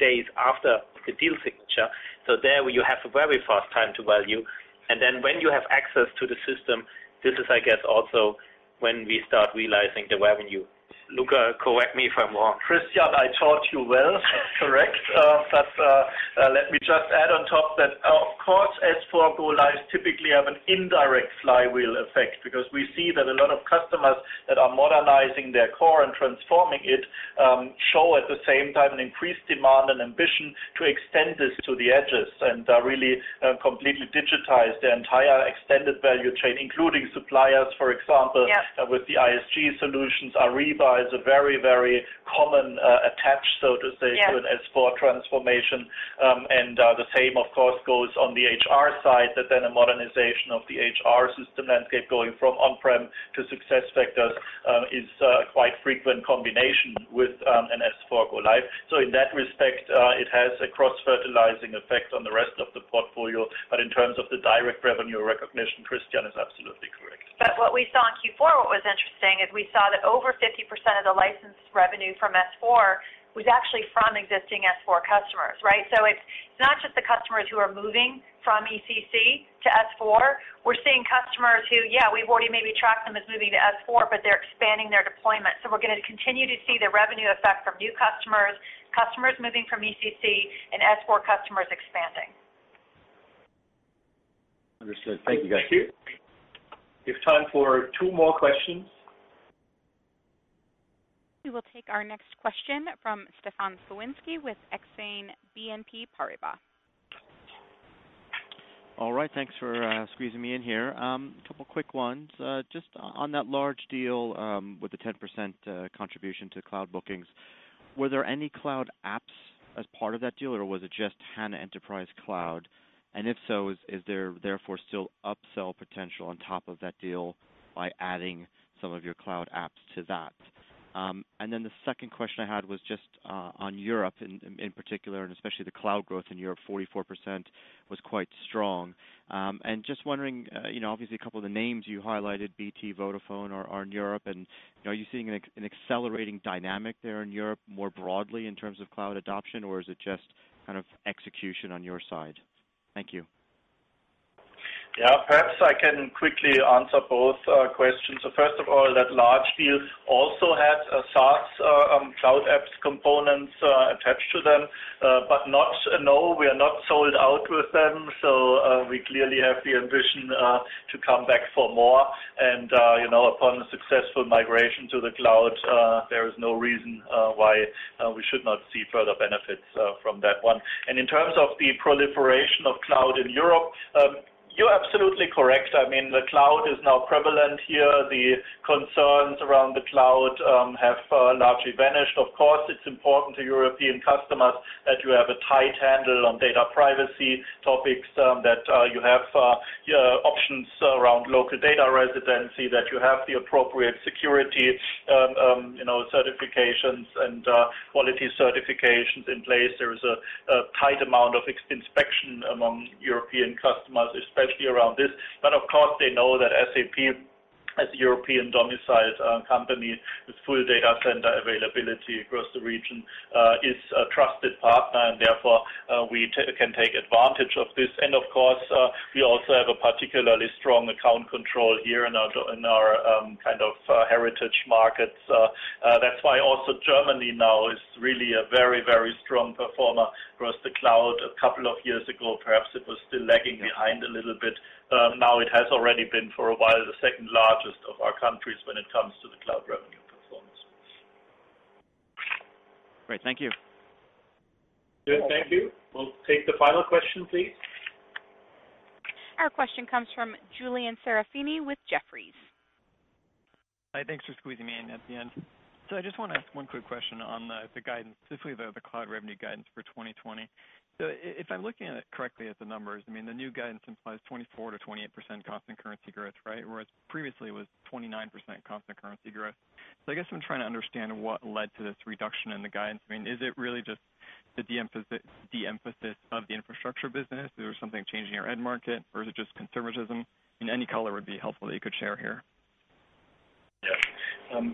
days after the deal signature. There you have a very fast time to value. When you have access to the system, this is, I guess, also when we start realizing the revenue. Luka, correct me if I'm wrong. Christian, I taught you well. Correct. Let me just add on top that, of course, S/4 go-lives typically have an indirect flywheel effect because we see that a lot of customers that are modernizing their core and transforming it show at the same time an increased demand and ambition to extend this to the edges and really completely digitize their entire extended value chain, including suppliers, for example. Yes. With the ISG solutions, Ariba is a very, very common attach, so to say. Yes. To an S/4 transformation. The same, of course, goes on the HR side, that a modernization of the HR system landscape going from on-prem to SuccessFactors is a quite frequent combination with an S/4 go-live. In that respect, it has a cross-fertilizing effect on the rest of the portfolio. In terms of the direct revenue recognition, Christian is absolutely correct. What we saw in Q4, what was interesting is we saw that over 50% of the licensed revenue from S/4 was actually from existing S/4 customers, right? It's not just the customers who are moving from ECC to S/4. We're seeing customers who, yeah, we've already maybe tracked them as moving to S/4, but they're expanding their deployment. We're going to continue to see the revenue effect from new customers moving from ECC, and S/4 customers expanding. Understood. Thank you, guys. Thank you. We have time for two more questions. We will take our next question from Stefan Slowinski with Exane BNP Paribas. All right. Thanks for squeezing me in here. A couple of quick ones. On that large deal, with the 10% contribution to cloud bookings, were there any cloud apps as part of that deal, or was it just HANA Enterprise Cloud? If so, is there therefore still upsell potential on top of that deal by adding some of your cloud apps to that? The second question I had was just on Europe in particular, and especially the cloud growth in Europe, 44% was quite strong. Wondering, obviously a couple of the names you highlighted, BT, Vodafone, are in Europe. Are you seeing an accelerating dynamic there in Europe more broadly in terms of cloud adoption, or is it just execution on your side? Thank you. Perhaps I can quickly answer both questions. First of all, that large deal also had a SaaS cloud apps components attached to them. No, we are not sold out with them. We clearly have the ambition to come back for more. Upon a successful migration to the cloud, there is no reason why we should not see further benefits from that one. In terms of the proliferation of cloud in Europe, you are absolutely correct. The cloud is now prevalent here. The concerns around the cloud have largely vanished. Of course, it is important to European customers that you have a tight handle on data privacy topics, that you have options around local data residency, that you have the appropriate security certifications and quality certifications in place. There is a tight amount of inspection among European customers, especially around this. Of course, they know that SAP, as a European domiciled company with full data center availability across the region, is a trusted partner, and therefore we can take advantage of this. Of course, we also have a particularly strong account control here in our heritage markets. That's why also Germany now is really a very, very strong performer across the cloud. A couple of years ago, perhaps it was still lagging behind a little bit. Now it has already been, for a while, the second largest of our countries when it comes to the cloud revenue performance. Great. Thank you. Good. Thank you. We'll take the final question, please. Our question comes from Julian Serafini with Jefferies. Hi. Thanks for squeezing me in at the end. I just want to ask one quick question on the guidance, specifically the cloud revenue guidance for 2020. If I'm looking at it correctly at the numbers, the new guidance implies 24%-28% constant currency growth, right? Whereas previously it was 29% constant currency growth. I guess I'm trying to understand what led to this reduction in the guidance. Is it really just the de-emphasis of the infrastructure business? Is there something changing your end market, or is it just conservatism? Any color would be helpful that you could share here. Yes.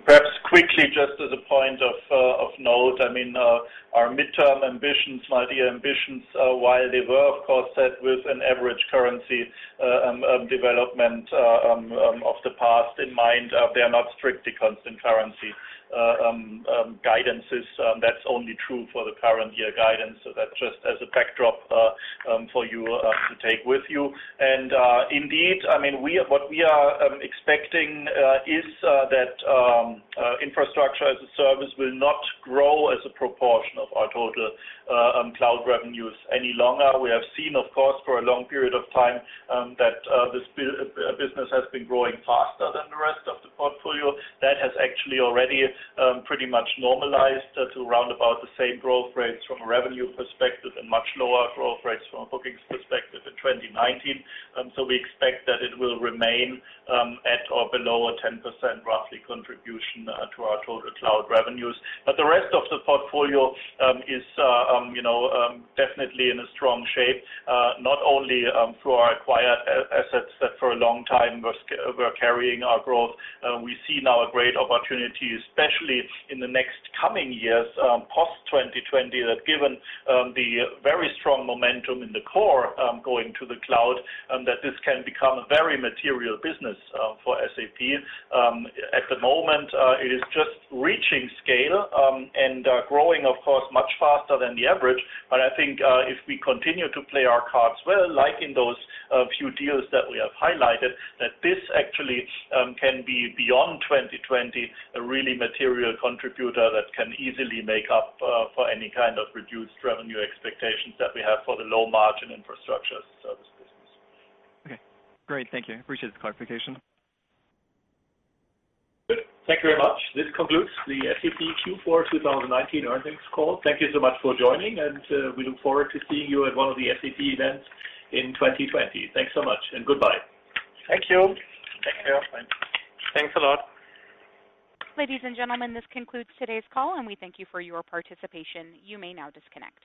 Perhaps quickly, just as a point of note, our midterm ambitions, while they were of course set with an average currency development of the past in mind, they are not strictly constant currency guidances. That's only true for the current year guidance. That just as a backdrop for you to take with you. Indeed, what we are expecting is that infrastructure as a service will not grow as a proportion of our total cloud revenues any longer. We have seen, of course, for a long period of time, that this business has been growing faster than the rest of the portfolio. That has actually already pretty much normalized to around about the same growth rates from a revenue perspective and much lower growth rates from a bookings perspective in 2019. We expect that it will remain at or below a 10%, roughly, contribution to our total cloud revenues. The rest of the portfolio is definitely in a strong shape, not only through our acquired assets that for a long time were carrying our growth. We see now a great opportunity, especially in the next coming years, post-2020, that given the very strong momentum in the core going to the cloud, that this can become a very material business for SAP. At the moment, it is just reaching scale and growing, of course, much faster than the average. I think if we continue to play our cards well, like in those few deals that we have highlighted, that this actually can be, beyond 2020, a really material contributor that can easily make up for any kind of reduced revenue expectations that we have for the low margin infrastructure service business. Okay. Great. Thank you. Appreciate the clarification. Good. Thank you very much. This concludes the SAP Q4 2019 earnings call. Thank you so much for joining, and we look forward to seeing you at one of the SAP events in 2020. Thanks so much, and goodbye. Thank you. Take care. Bye. Thanks a lot. Ladies and gentlemen, this concludes today's call, and we thank you for your participation. You may now disconnect.